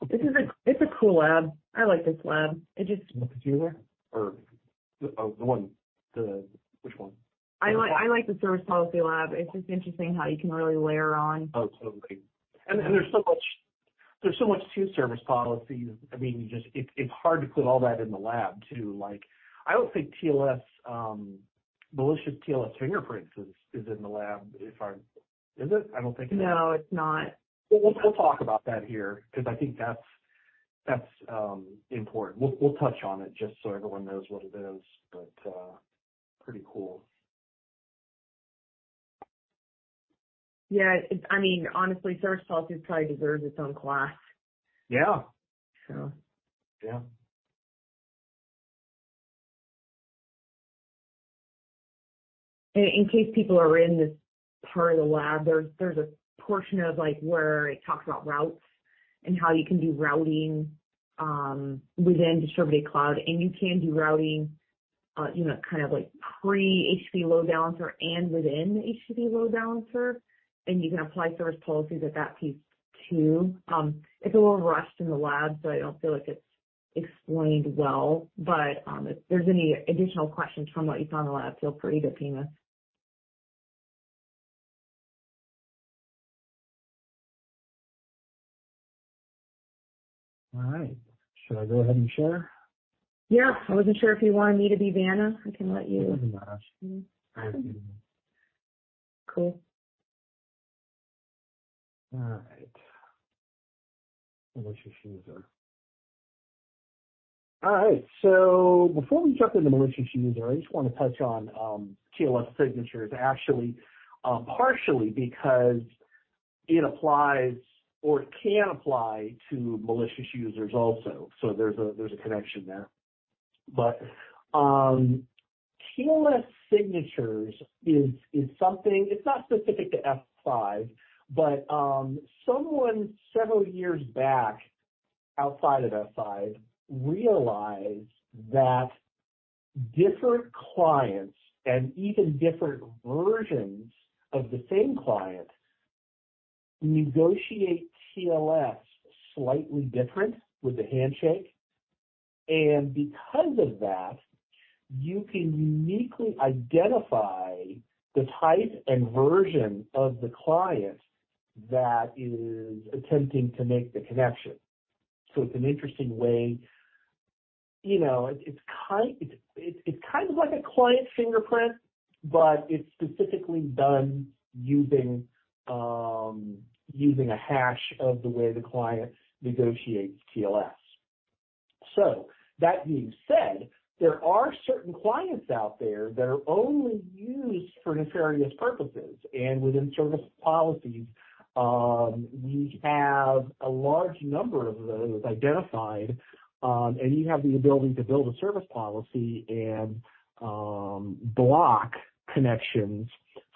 This is a cool lab. I like this lab. It just The computer or the one, which one? I like, I like the Service Policy lab. It's just interesting how you can really layer on. Oh, totally. And there's so much, there's so much to Service Policy. I mean, you just, it, it's hard to put all that in the lab, too. Like, I don't think TLS malicious TLS fingerprints is in the lab, if I Is it? I don't think it is. No, it's not. We'll talk about that here, 'cause I think that's important. We'll touch on it just so everyone knows what it is, but pretty cool. Yeah, it's, I mean, honestly, service policy probably deserves its own class. Yeah. So. Yeah. In case people are in this part of the lab, there's a portion of, like, where it talks about routes and how you can do routing within Distributed Cloud, and you can do routing, you know, kind of like pre-HTTP Load Balancer and within the HTTP Load Balancer, and you can apply Service Policies at that piece, too. It's a little rushed in the lab, so I don't feel like it's explained well, but if there's any additional questions from what you saw in the lab, feel free to ping us. All right. Should I go ahead and share? Yeah, I wasn't sure if you wanted me to be Vanna. I can let you- It doesn't matter. Cool. All right. Malicious user. All right, so before we jump into malicious user, I just want to touch on TLS signatures, actually, partially because it applies or can apply to malicious users also. So there's a connection there. But, TLS signatures is something. It's not specific to F5, but someone several years back, outside of F5, realized that different clients and even different versions of the same client negotiate TLS slightly different with the handshake. And because of that, you can uniquely identify the type and version of the client that is attempting to make the connection. So it's an interesting way, you know, it's kind of like a client fingerprint, but it's specifically done using a hash of the way the client negotiates TLS. So that being said, there are certain clients out there that are only used for nefarious purposes, and within Service Policies, we have a large number of those identified, and you have the ability to build a service policy and block connections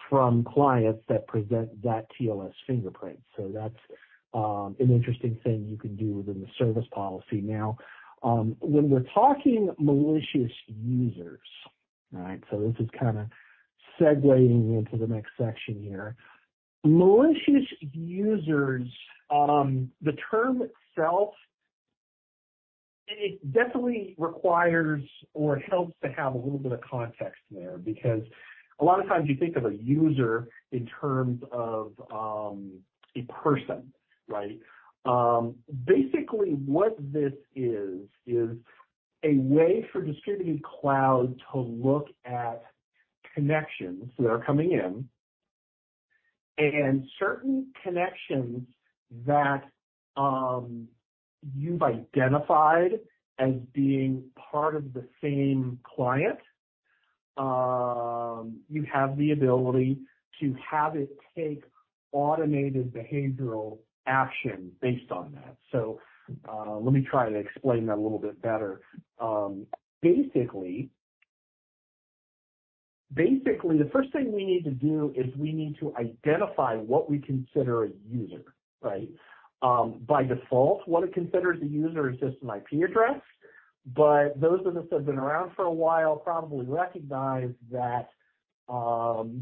from clients that present that TLS fingerprint. So that's an interesting thing you can do within the service policy. Now, when we're talking malicious users, all right, so this is kind of segueing into the next section here. Malicious users, the term itself, it definitely requires or it helps to have a little bit of context there, because a lot of times you think of a user in terms of a person, right? Basically what this is, is a way for Distributed Cloud to look at connections that are coming in, and certain connections that you've identified as being part of the same client, you have the ability to have it take automated behavioral action based on that. So, let me try to explain that a little bit better. Basically, the first thing we need to do is we need to identify what we consider a user, right? By default, what it considers a user is just an IP address, but those of us who have been around for a while probably recognize that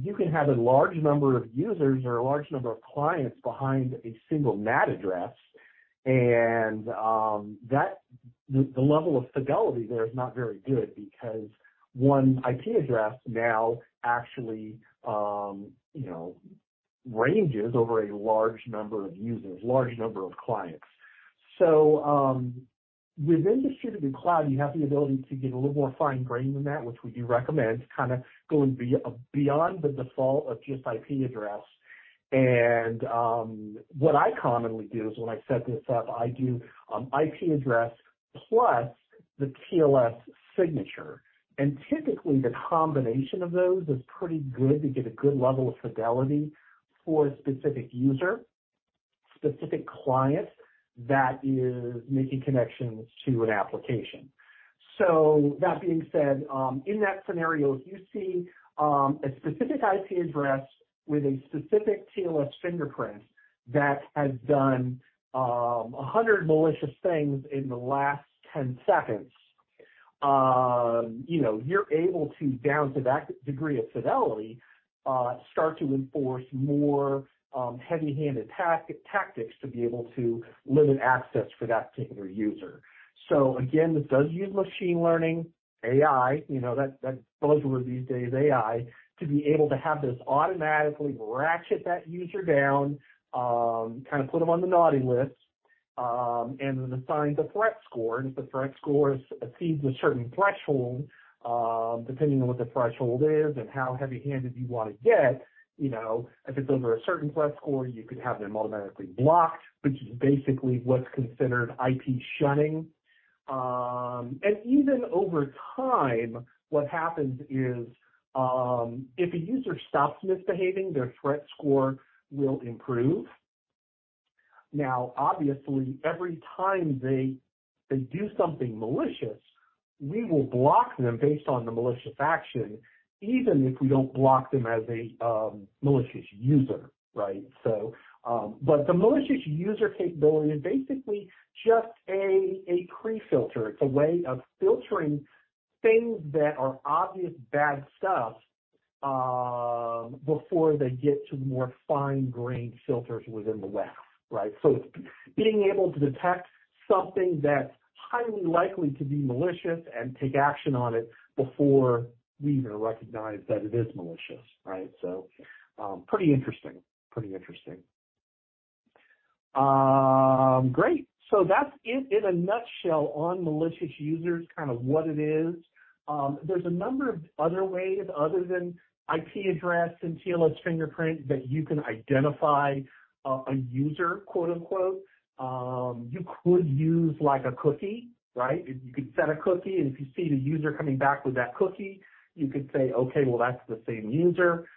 you can have a large number of users or a large number of clients behind a single NAT address And that the level of fidelity there is not very good because one IP address now actually you know ranges over a large number of users, large number of clients. So within Distributed Cloud, you have the ability to get a little more fine-grained than that, which we do recommend, kind of going beyond the default of just IP address. And what I commonly do is when I set this up, I do IP address plus the TLS signature. And typically the combination of those is pretty good. You get a good level of fidelity for a specific user, specific client, that is making connections to an application. So that being said, in that scenario, if you see a specific IP address with a specific TLS fingerprint that has done 100 malicious things in the last 10 seconds, you know, you're able to, down to that degree of fidelity, start to enforce more heavy-handed tactic, tactics to be able to limit access for that particular user. So again, this does use machine learning, AI, you know, that, that buzzword these days, AI, to be able to have this automatically ratchet that user down, kind of put them on the naughty list, and then assign the threat score. If the threat score exceeds a certain threshold, depending on what the threshold is and how heavy-handed you want to get, you know, if it's over a certain threat score, you could have them automatically blocked, which is basically what's considered IP shunning. Even over time, what happens is, if a user stops misbehaving, their threat score will improve. Now, obviously, every time they do something malicious, we will block them based on the malicious action, even if we don't block them as a malicious user, right? But the malicious user capability is basically just a pre-filter. It's a way of filtering things that are obvious bad stuff, before they get to more fine-grained filters within the web, right? So it's being able to detect something that's highly likely to be malicious and take action on it before we even recognize that it is malicious, right? So, pretty interesting, pretty interesting. Great! So that's it in a nutshell on malicious users, kind of what it is. There's a number of other ways other than IP address and TLS fingerprint that you can identify a user, quote, unquote. You could use like a cookie, right? You could set a cookie, and if you see the user coming back with that cookie, you could say, "Okay, well, that's the same user."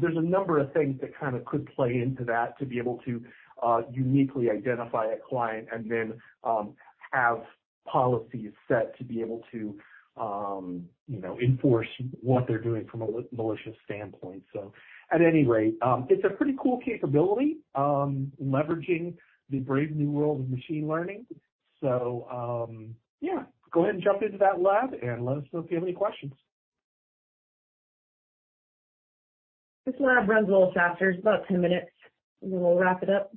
There's a number of things that kind of could play into that to be able to uniquely identify a client and then have policies set to be able to, you know, enforce what they're doing from a malicious standpoint. So at any rate, it's a pretty cool capability, leveraging the brave new world of machine learning. So, yeah, go ahead and jump into that lab and let us know if you have any questions. This lab runs a little faster. It's about 10 minutes, and then we'll wrap it up.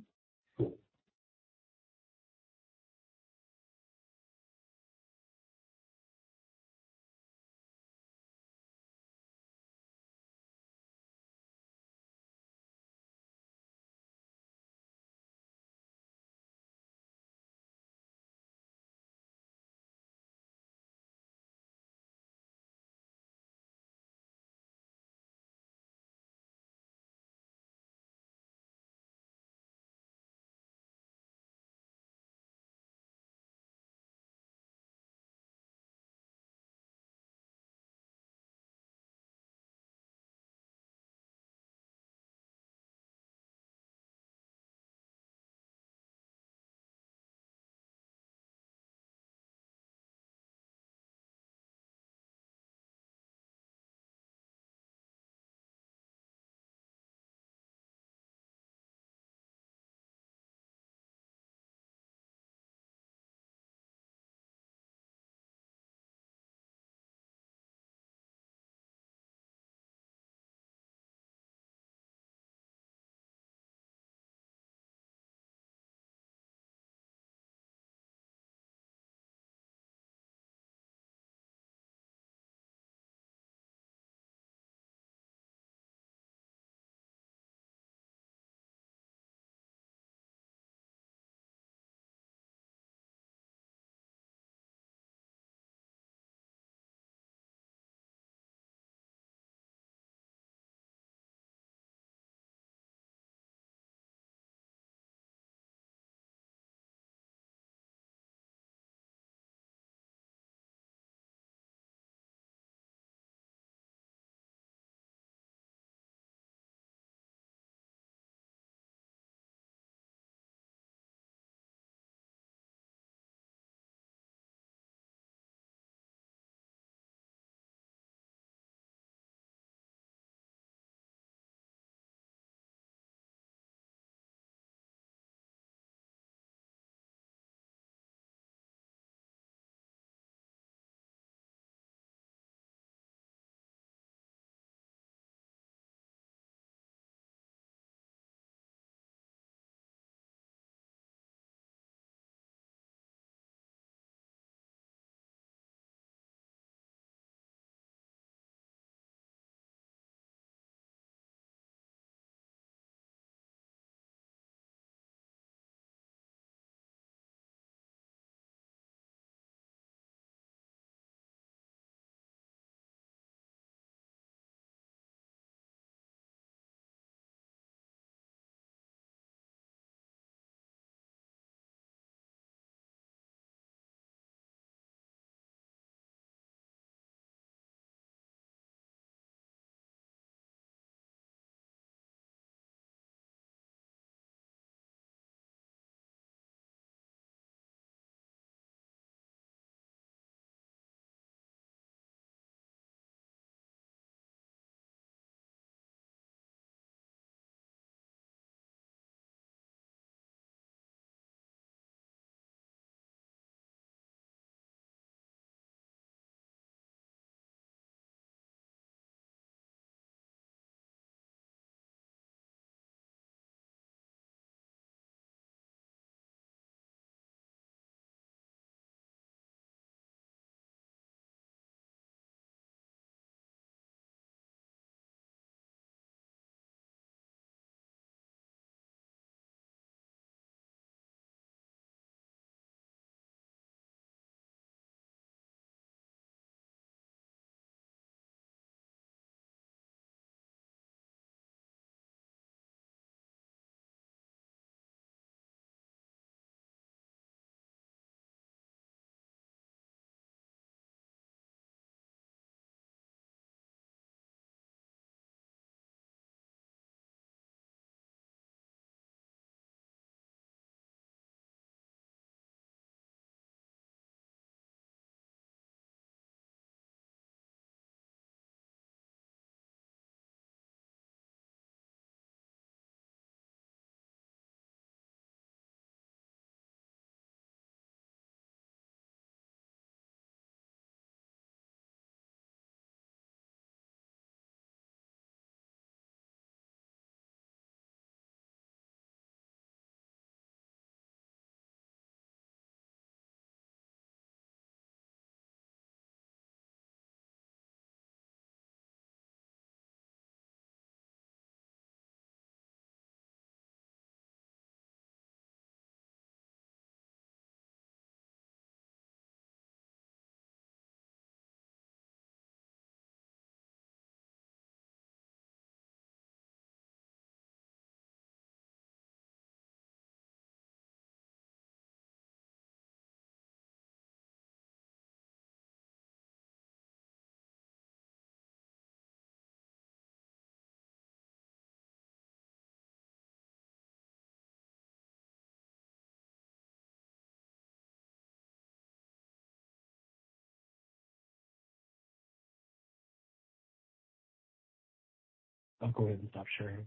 I'll go ahead and stop sharing.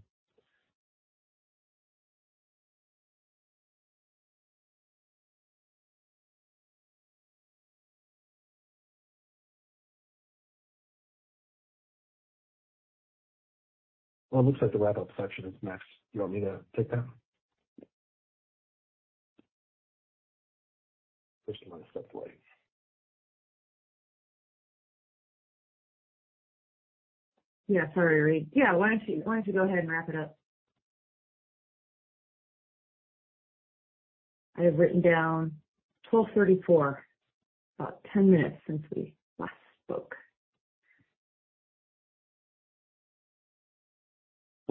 Well, it looks like the wrap-up section is next. Do you want me to take that? Or just you want to step away? Yeah, sorry, Reid. Yeah, why don't you, why don't you go ahead and wrap it up? I have written down 12:34, about 10 minutes since we last spoke.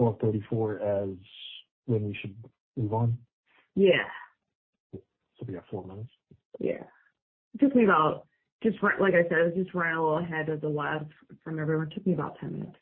12:34 as when we should move on? Yeah. So we got 4 minutes? Yeah. Took me about, just like I said, I was just running a little ahead of the lab from everyone. Took me about 10 minutes.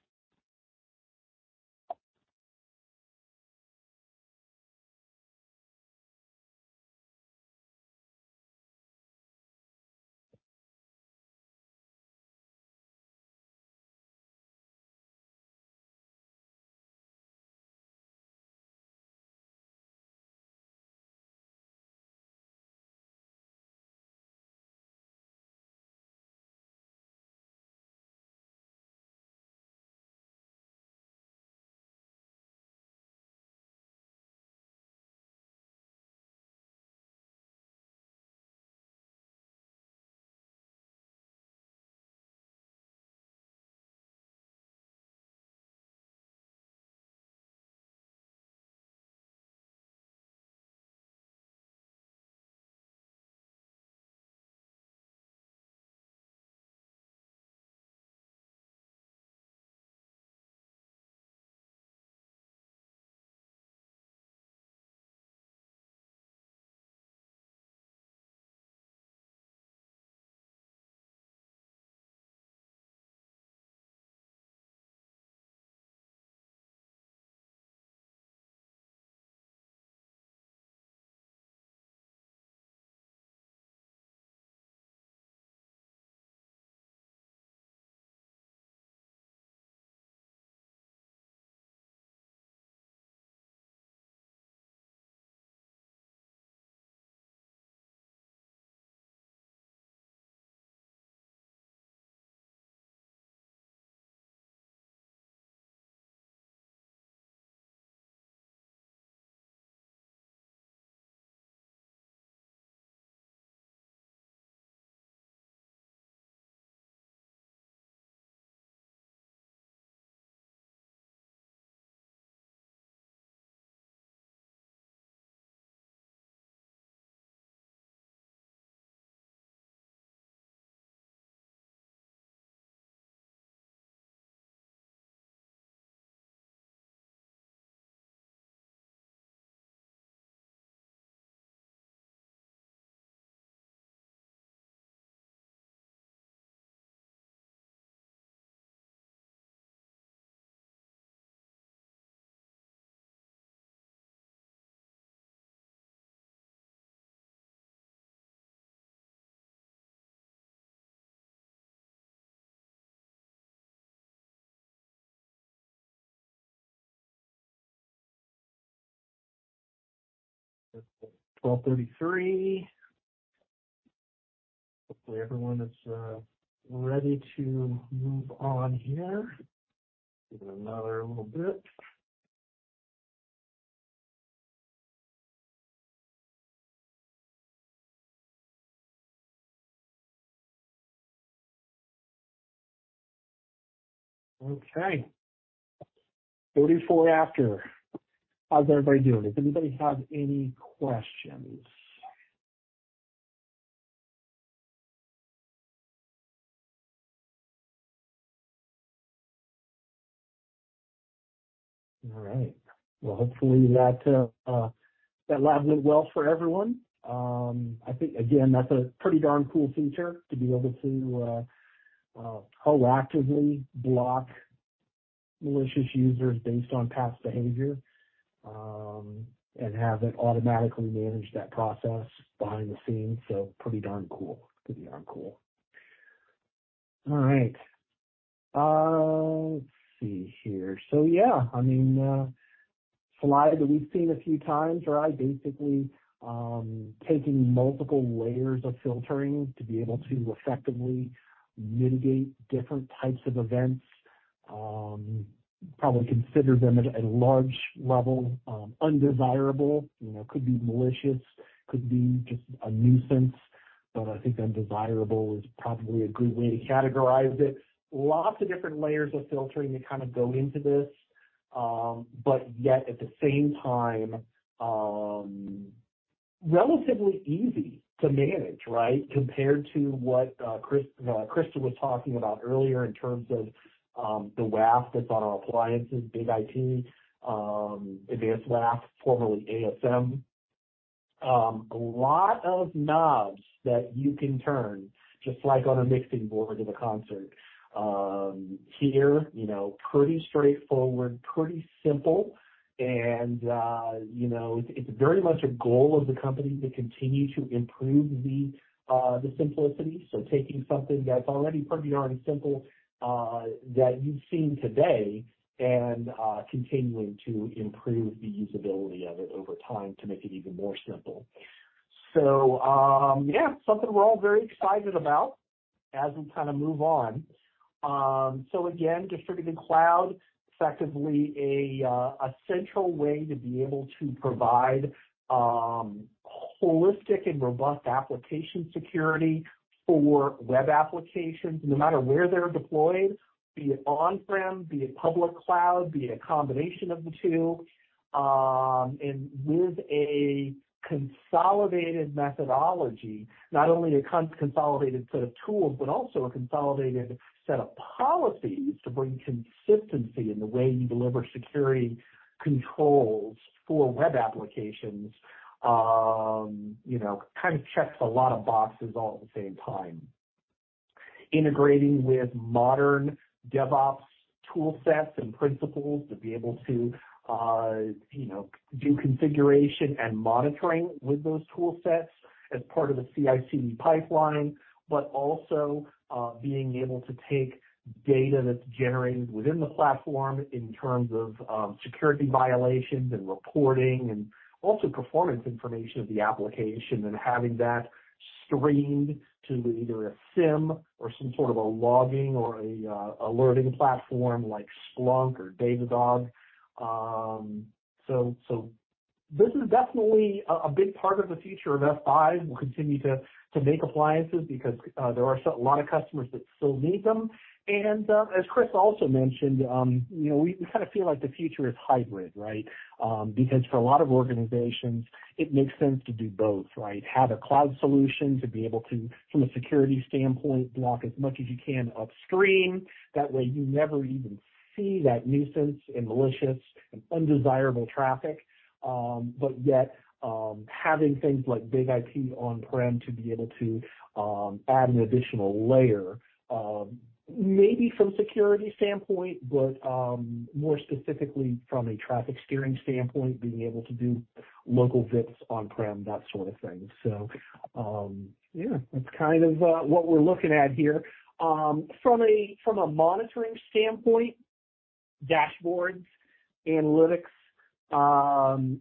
It's 12:33. Hopefully everyone is ready to move on here. Give it another little bit. Okay. 12:34. How's everybody doing? Does anybody have any questions? All right. Well, hopefully that lab went well for everyone. I think, again, that's a pretty darn cool feature to be able to proactively block malicious users based on past behavior, and have it automatically manage that process behind the scenes. So pretty darn cool. Pretty darn cool. All right. Let's see here. So, yeah, I mean, slide that we've seen a few times, right? Basically, taking multiple layers of filtering to be able to effectively mitigate different types of events. Probably consider them at a large level, undesirable. You know, could be malicious, could be just a nuisance. But I think undesirable is probably a good way to categorize it. Lots of different layers of filtering to kind of go into this, but yet at the same time, relatively easy to manage, right? Compared to what Krista was talking about earlier in terms of the WAF that's on our appliances, BIG-IP, Advanced WAF, formerly ASM. A lot of knobs that you can turn, just like on a mixing board at a concert. Here, you know, pretty straightforward, pretty simple, and, you know, it's, it's very much a goal of the company to continue to improve the, the simplicity. So taking something that's already pretty darn simple, that you've seen today and, continuing to improve the usability of it over time to make it even more simple. So, yeah, something we're all very excited about as we kind of move on. So again, Distributed Cloud, effectively a central way to be able to provide holistic and robust application security for web applications, no matter where they're deployed, be it on-prem, be it public cloud, be it a combination of the two. And with a consolidated methodology, not only a consolidated set of tools, but also a consolidated set of policies to bring consistency in the way you deliver security controls for web applications, you know, kind of checks a lot of boxes all at the same time. Integrating with modern DevOps tool sets and principles to be able to, you know, do configuration and monitoring with those tool sets as part of the CI/CD pipeline. But also being able to take data that's generated within the platform in terms of security violations and reporting, and also performance information of the application, and having that streamed to either a SIEM or some sort of a logging or a alerting platform like Splunk or Datadog. So, this is definitely a big part of the future of F5. We'll continue to make appliances because there are so many customers that still need them. And, as Chris also mentioned, you know, we kind of feel like the future is hybrid, right? Because for a lot of organizations, it makes sense to do both, right? Have a cloud solution to be able to, from a security standpoint, block as much as you can upstream. That way, you never even see that nuisance and malicious and undesirable traffic. But yet, having things like BIG-IP on-prem to be able to add an additional layer, maybe from security standpoint, but more specifically from a traffic steering standpoint, being able to do local VIPs on-prem, that sort of thing. So, yeah, that's kind of what we're looking at here. From a monitoring standpoint, dashboards, analytics,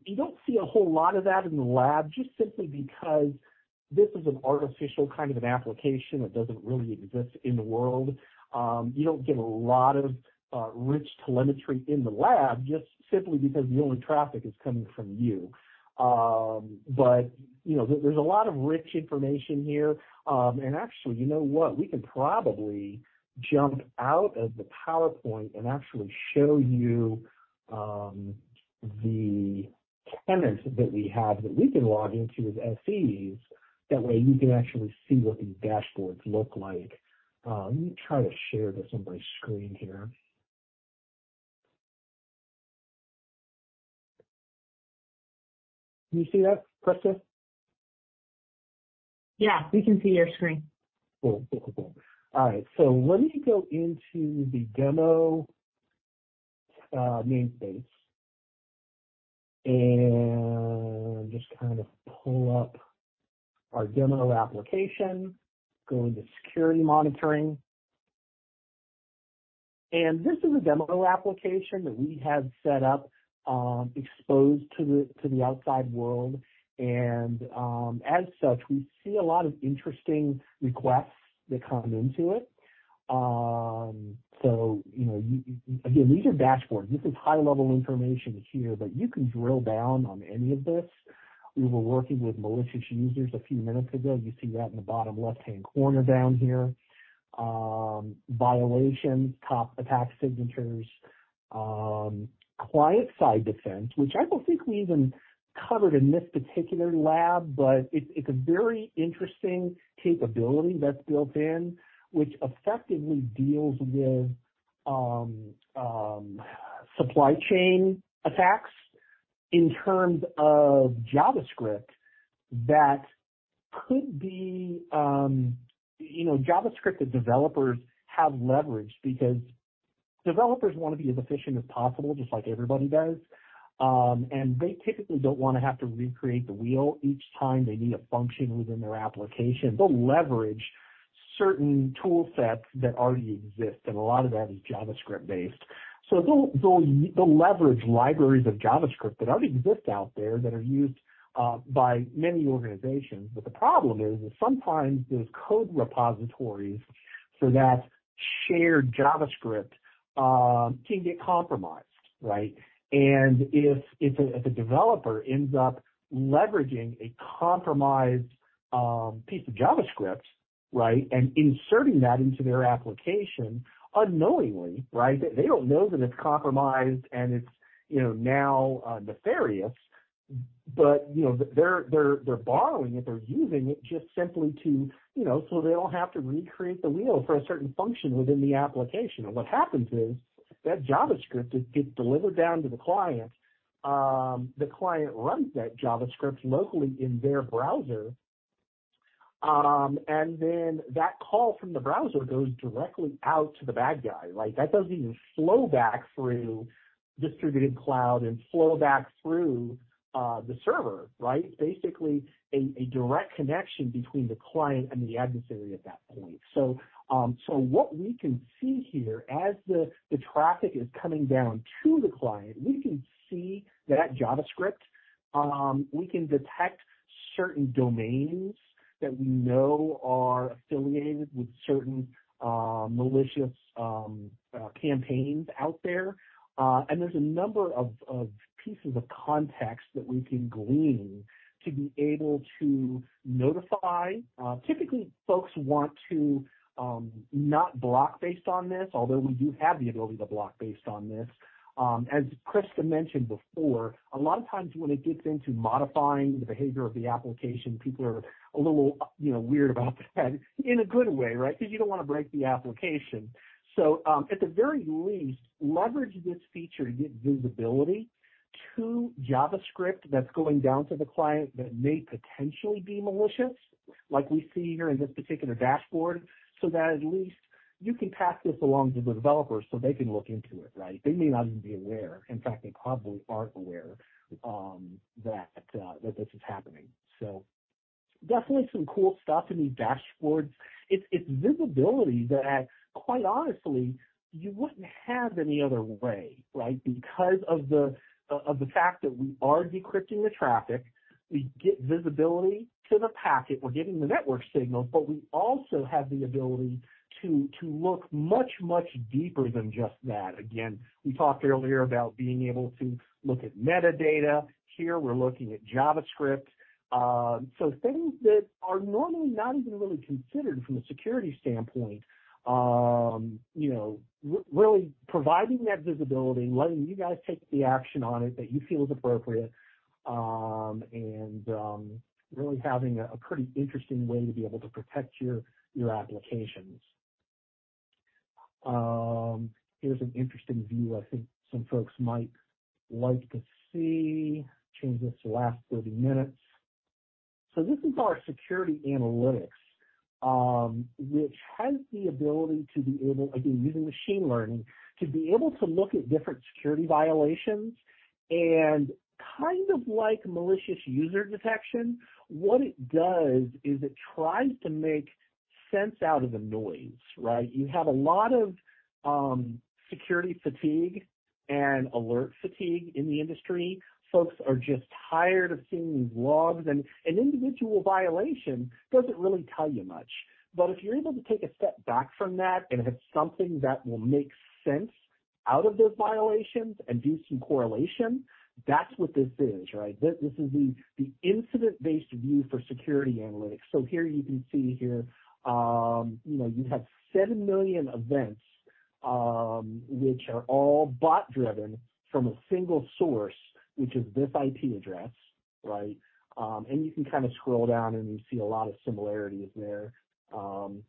you don't see a whole lot of that in the lab, just simply because this is an artificial kind of an application that doesn't really exist in the world. You don't get a lot of rich telemetry in the lab, just simply because the only traffic is coming from you. But, you know, there's a lot of rich information here. And actually, you know what? We can probably jump out of the PowerPoint and actually show you, the tenant that we have that we can log into as SEs. That way, you can actually see what these dashboards look like. Let me try to share this on my screen here. Can you see that, Krista? Yeah, we can see your screen. Cool. All right, so let me go into the demo namespace, and just kind of pull up our demo application. Go into Security Monitoring. And this is a demo application that we have set up, exposed to the outside world, and as such, we see a lot of interesting requests that come into it. So you know, again, these are dashboards. This is high-level information here, but you can drill down on any of this. We were working with malicious users a few minutes ago. You see that in the bottom left-hand corner down here. Violations, top attack signatures, Client-Side Defense, which I don't think we even covered in this particular lab, but it's a very interesting capability that's built in, which effectively deals with supply chain attacks in terms of JavaScript, that could be. You know, JavaScript developers have leverage because developers want to be as efficient as possible, just like everybody does. They typically don't want to have to recreate the wheel each time they need a function within their application. They'll leverage certain tool sets that already exist, and a lot of that is JavaScript based. So they'll leverage libraries of JavaScript that already exist out there, that are used by many organizations. But the problem is sometimes those code repositories for that shared JavaScript can get compromised, right? And if a developer ends up leveraging a compromised piece of JavaScript, right, and inserting that into their application unknowingly, right? They don't know that it's compromised and it's, you know, now nefarious. But, you know, they're borrowing it, they're using it just simply to, you know, so they don't have to recreate the wheel for a certain function within the application. And what happens is, that JavaScript, it gets delivered down to the client, the client runs that JavaScript locally in their browser, and then that call from the browser goes directly out to the bad guy. Like, that doesn't even flow back through Distributed Cloud and flow back through, the server, right? It's basically a direct connection between the client and the adversary at that point. So, what we can see here, as the traffic is coming down to the client, we can see that JavaScript. We can detect certain domains that we know are affiliated with certain malicious campaigns out there. And there's a number of pieces of context that we can glean to be able to notify. Typically folks want to not block based on this, although we do have the ability to block based on this. As Krista mentioned before, a lot of times when it gets into modifying the behavior of the application, people are a little, you know, weird about that in a good way, right? 'Cause you don't wanna break the application. So, at the very least, leverage this feature to get visibility to JavaScript that's going down to the client that may potentially be malicious, like we see here in this particular dashboard, so that at least you can pass this along to the developers so they can look into it, right? They may not even be aware. In fact, they probably aren't aware that this is happening. So definitely some cool stuff in these dashboards. It's visibility that, quite honestly, you wouldn't have any other way, right? Because of the fact that we are decrypting the traffic, we get visibility to the packet, we're getting the network signals, but we also have the ability to look much, much deeper than just that. Again, we talked earlier about being able to look at metadata. Here, we're looking at JavaScript. So things that are normally not even really considered from a security standpoint, you know, really providing that visibility, letting you guys take the action on it that you feel is appropriate, and really having a pretty interesting way to be able to protect your applications. Here's an interesting view I think some folks might like to see. Change this to last 30 minutes. So this is our security analytics, which has the ability to be able, again, using machine learning, to be able to look at different security violations. And kind of like Malicious User Detection, what it does is it tries to make sense out of the noise, right? You have a lot of security fatigue and alert fatigue in the industry. Folks are just tired of seeing these logs, and an individual violation doesn't really tell you much. But if you're able to take a step back from that and have something that will make sense out of those violations and do some correlation, that's what this is, right? This, this is the, the incident-based view for security analytics. So here you can see here, you know, you have 7 million events, which are all bot-driven from a single source, which is this IP address, right? And you can kind of scroll down, and you see a lot of similarities there.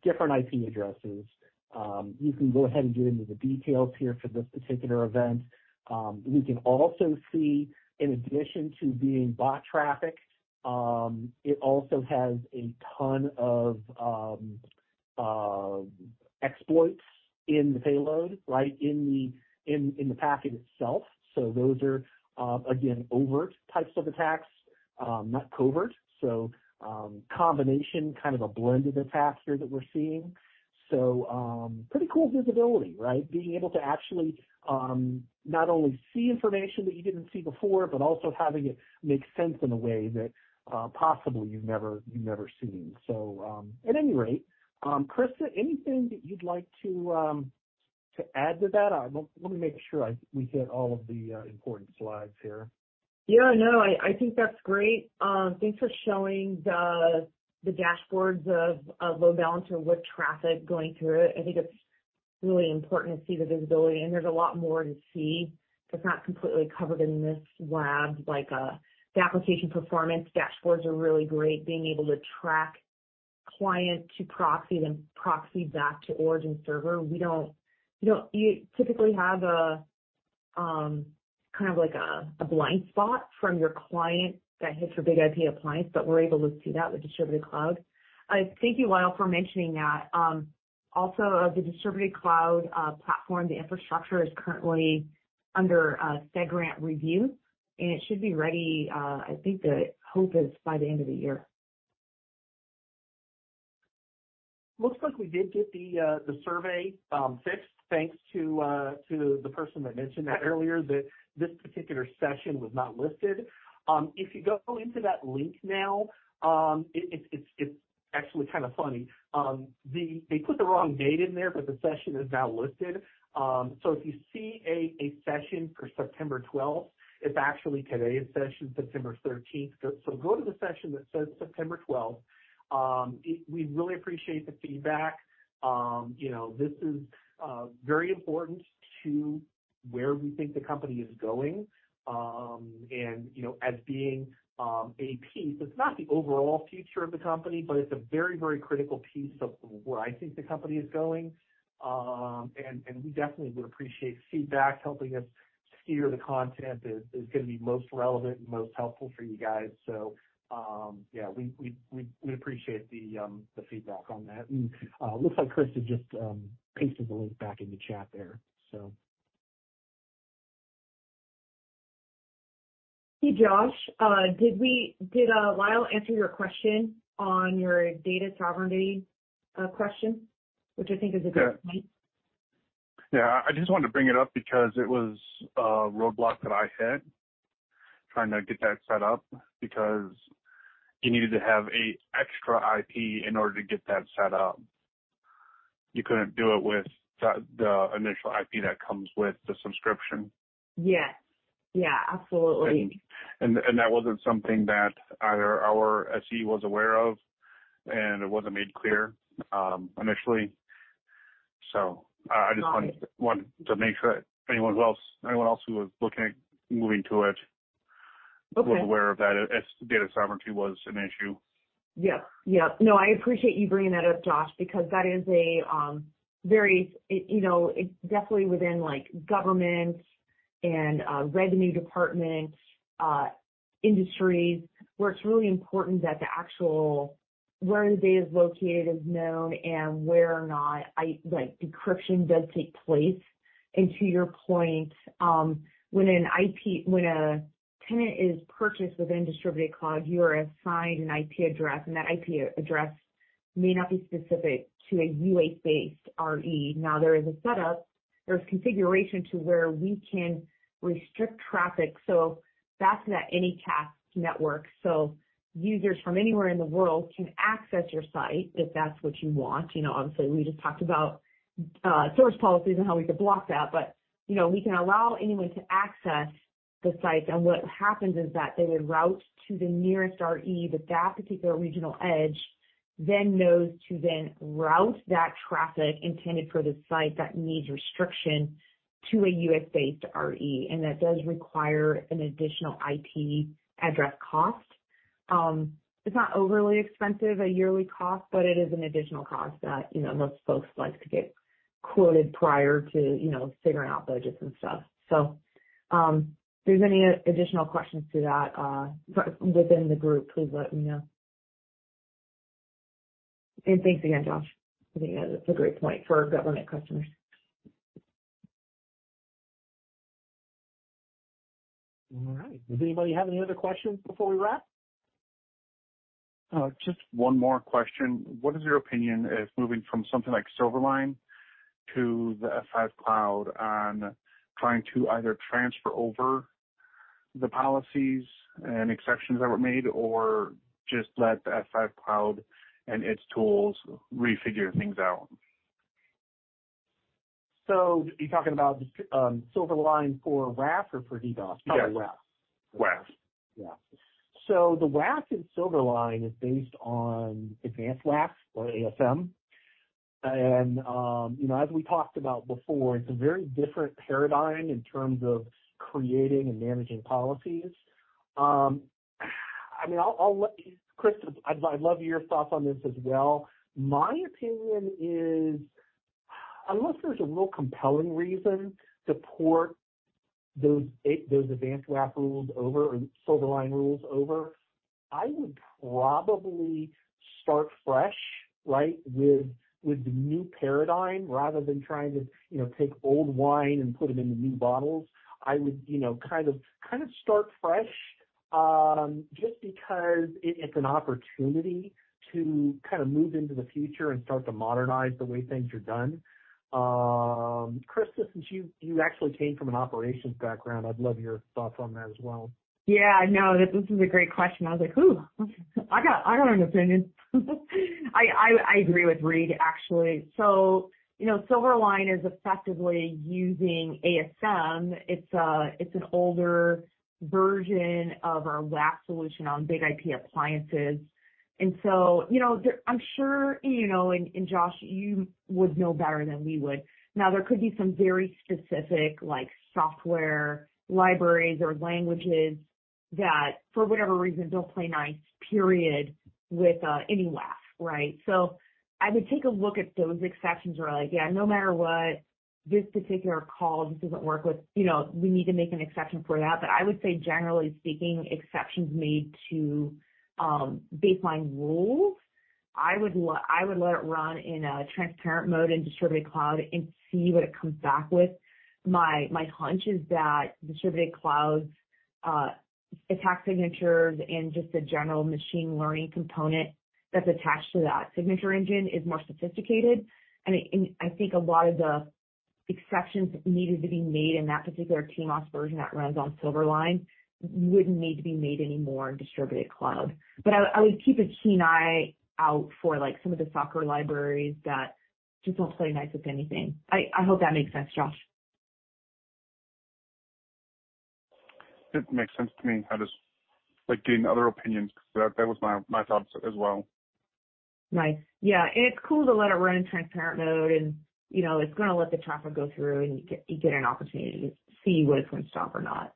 Different IP addresses. You can go ahead and get into the details here for this particular event. We can also see, in addition to being bot traffic, it also has a ton of exploits in the payload, right, in the, in, in the packet itself. So those are, again, overt types of attacks, not covert. So, combination, kind of a blend of attacks here that we're seeing. So, pretty cool visibility, right? Being able to actually not only see information that you didn't see before, but also having it make sense in a way that possibly you've never seen. So, at any rate, Krista, anything that you'd like to add to that? Let me make sure I we hit all of the important slides here. Yeah, no, I think that's great. Thanks for showing the dashboards of load balancer with traffic going through it. I think it's really important to see the visibility, and there's a lot more to see that's not completely covered in this lab. Like, the application performance dashboards are really great, being able to track client to proxy, then proxy back to origin server. We don't, you know, you typically have a kind of like a blind spot from your client that hits your BIG-IP appliance, but we're able to see that with Distributed Cloud. Thank you, Lyle, for mentioning that. Also, the Distributed Cloud platform, the infrastructure is currently under FedRAMP review, and it should be ready. I think the hope is by the end of the year. Looks like we did get the survey, thanks to the person that mentioned that earlier, that this particular session was not listed. If you go into that link now, it's actually kind of funny. They put the wrong date in there, but the session is now listed. So if you see a session for September twelfth, it's actually today's session, September thirteenth. So go to the session that says September twelfth. We really appreciate the feedback. You know, this is very important to where we think the company is going, and, you know, as being a piece, it's not the overall future of the company, but it's a very, very critical piece of where I think the company is going. We definitely would appreciate feedback, helping us steer the content that is gonna be most relevant and most helpful for you guys. So, yeah, we'd appreciate the feedback on that. Looks like Chris has just pasted the link back in the chat there, so. Hey, Josh, did Lyle answer your question on your data sovereignty question, which I think is a good point? Yeah, I just wanted to bring it up because it was a roadblock that I had trying to get that set up, because you needed to have an extra IP in order to get that set up. You couldn't do it with the initial IP that comes with the subscription. Yes. Yeah, absolutely. That wasn't something that either our SE was aware of, and it wasn't made clear initially. So I just wanted to make sure anyone else who was looking at moving to it was aware of that as data sovereignty was an issue. Yep. Yep. No, I appreciate you bringing that up, Josh, because that is a very it, you know, it's definitely within, like, government and revenue department industries, where it's really important that the actual, where the data is located is known and where or not, like, decryption does take place. And to your point, when a tenant is purchased within Distributed Cloud, you are assigned an IP address, and that IP address may not be specific to a U.S.-based RE. Now, there is a setup, there's configuration to where we can restrict traffic, so that's not anycast network. So users from anywhere in the world can access your site, if that's what you want. You know, obviously, we just talked about source policies and how we could block that. But, you know, we can allow anyone to access the sites, and what happens is that they would route to the nearest RE, but that particular Regional Edge then knows to then route that traffic intended for the site that needs restriction to a U.S.-based RE, and that does require an additional IP address cost. It's not overly expensive, a yearly cost, but it is an additional cost that, you know, most folks like to get quoted prior to, you know, figuring out budgets and stuff. If there's any additional questions to that, within the group, please let me know. And thanks again, Josh. I think that's a great point for government customers. All right. Does anybody have any other questions before we wrap? Just one more question. What is your opinion if moving from something like Silverline to the F5 Cloud on trying to either transfer over the policies and exceptions that were made, or just let the F5 Cloud and its tools refigure things out? You're talking about the Silverline for WAF or for DDoS? Yes. Probably WAF. WAF. Yeah. So the WAF in Silverline is based on Advanced WAF or ASM. And, you know, as we talked about before, it's a very different paradigm in terms of creating and managing policies. I mean, I'll, I'll let Chris, I'd love your thoughts on this as well. My opinion is, unless there's a real compelling reason to port those A- those Advanced WAF rules over, or Silverline rules over, I would probably start fresh, right? With, with the new paradigm, rather than trying to, you know, take old wine and put them into new bottles. I would, you know, kind of, kind of start fresh, just because it, it's an opportunity to kind of move into the future and start to modernize the way things are done. Kris, since you, you actually came from an operations background, I'd love your thoughts on that as well. Yeah, I know, this is a great question. I was like, "Ooh, I got, I got an opinion." I, I, I agree with Reid, actually. So, you know, Silverline is effectively using ASM. It's a- it's an older version of our WAF solution on BIG-IP appliances. And so, you know, there i'm sure you know, and, and Josh, you would know better than we would. Now, there could be some very specific, like, software libraries or languages that, for whatever reason, don't play nice, period, with any WAF, right? So I would take a look at those exceptions where like, yeah, no matter what, this particular call just doesn't work with you know, we need to make an exception for that. But I would say, generally speaking, exceptions made to baseline rules, I would let it run in a transparent mode in Distributed Cloud and see what it comes back with. My hunch is that Distributed Cloud's attack signatures and just the general machine learning component that's attached to that signature engine is more sophisticated, and I think a lot of the exceptions needed to be made in that particular TMOS version that runs on Silverline wouldn't need to be made anymore in Distributed Cloud. But I would keep a keen eye out for, like, some of the socket libraries that just don't play nice with anything. I hope that makes sense, Josh. It makes sense to me. I just like getting other opinions, because that, that was my, my thoughts as well. Nice. Yeah, and it's cool to let it run in transparent mode and, you know, it's gonna let the traffic go through, and you get, you get an opportunity to see what it's going to stop or not.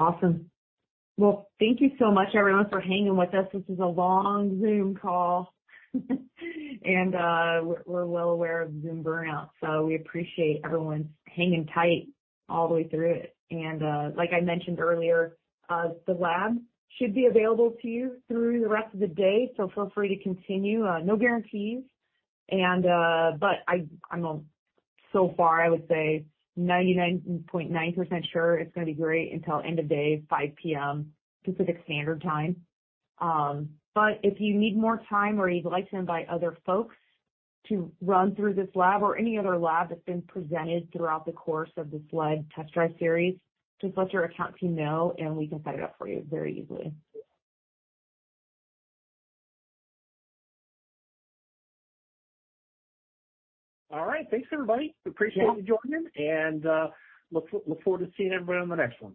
Awesome. Well, thank you so much, everyone, for hanging with us. This is a long Zoom call, and, we're, we're well aware of Zoom burnout, so we appreciate everyone hanging tight all the way through it. And, like I mentioned earlier, the lab should be available to you through the rest of the day, so feel free to continue. No guarantees, and, but I, I'm, so far, I would say 99.9% sure it's gonna be great until end of day, 5:00 P.M., Pacific Standard Time. But if you need more time or you'd like to invite other folks to run through this lab or any other lab that's been presented throughout the course of this Live Test Drive series, just let your account team know, and we can set it up for you very easily. All right. Thanks, everybody. We appreciate you joining, and look forward to seeing everyone on the next one.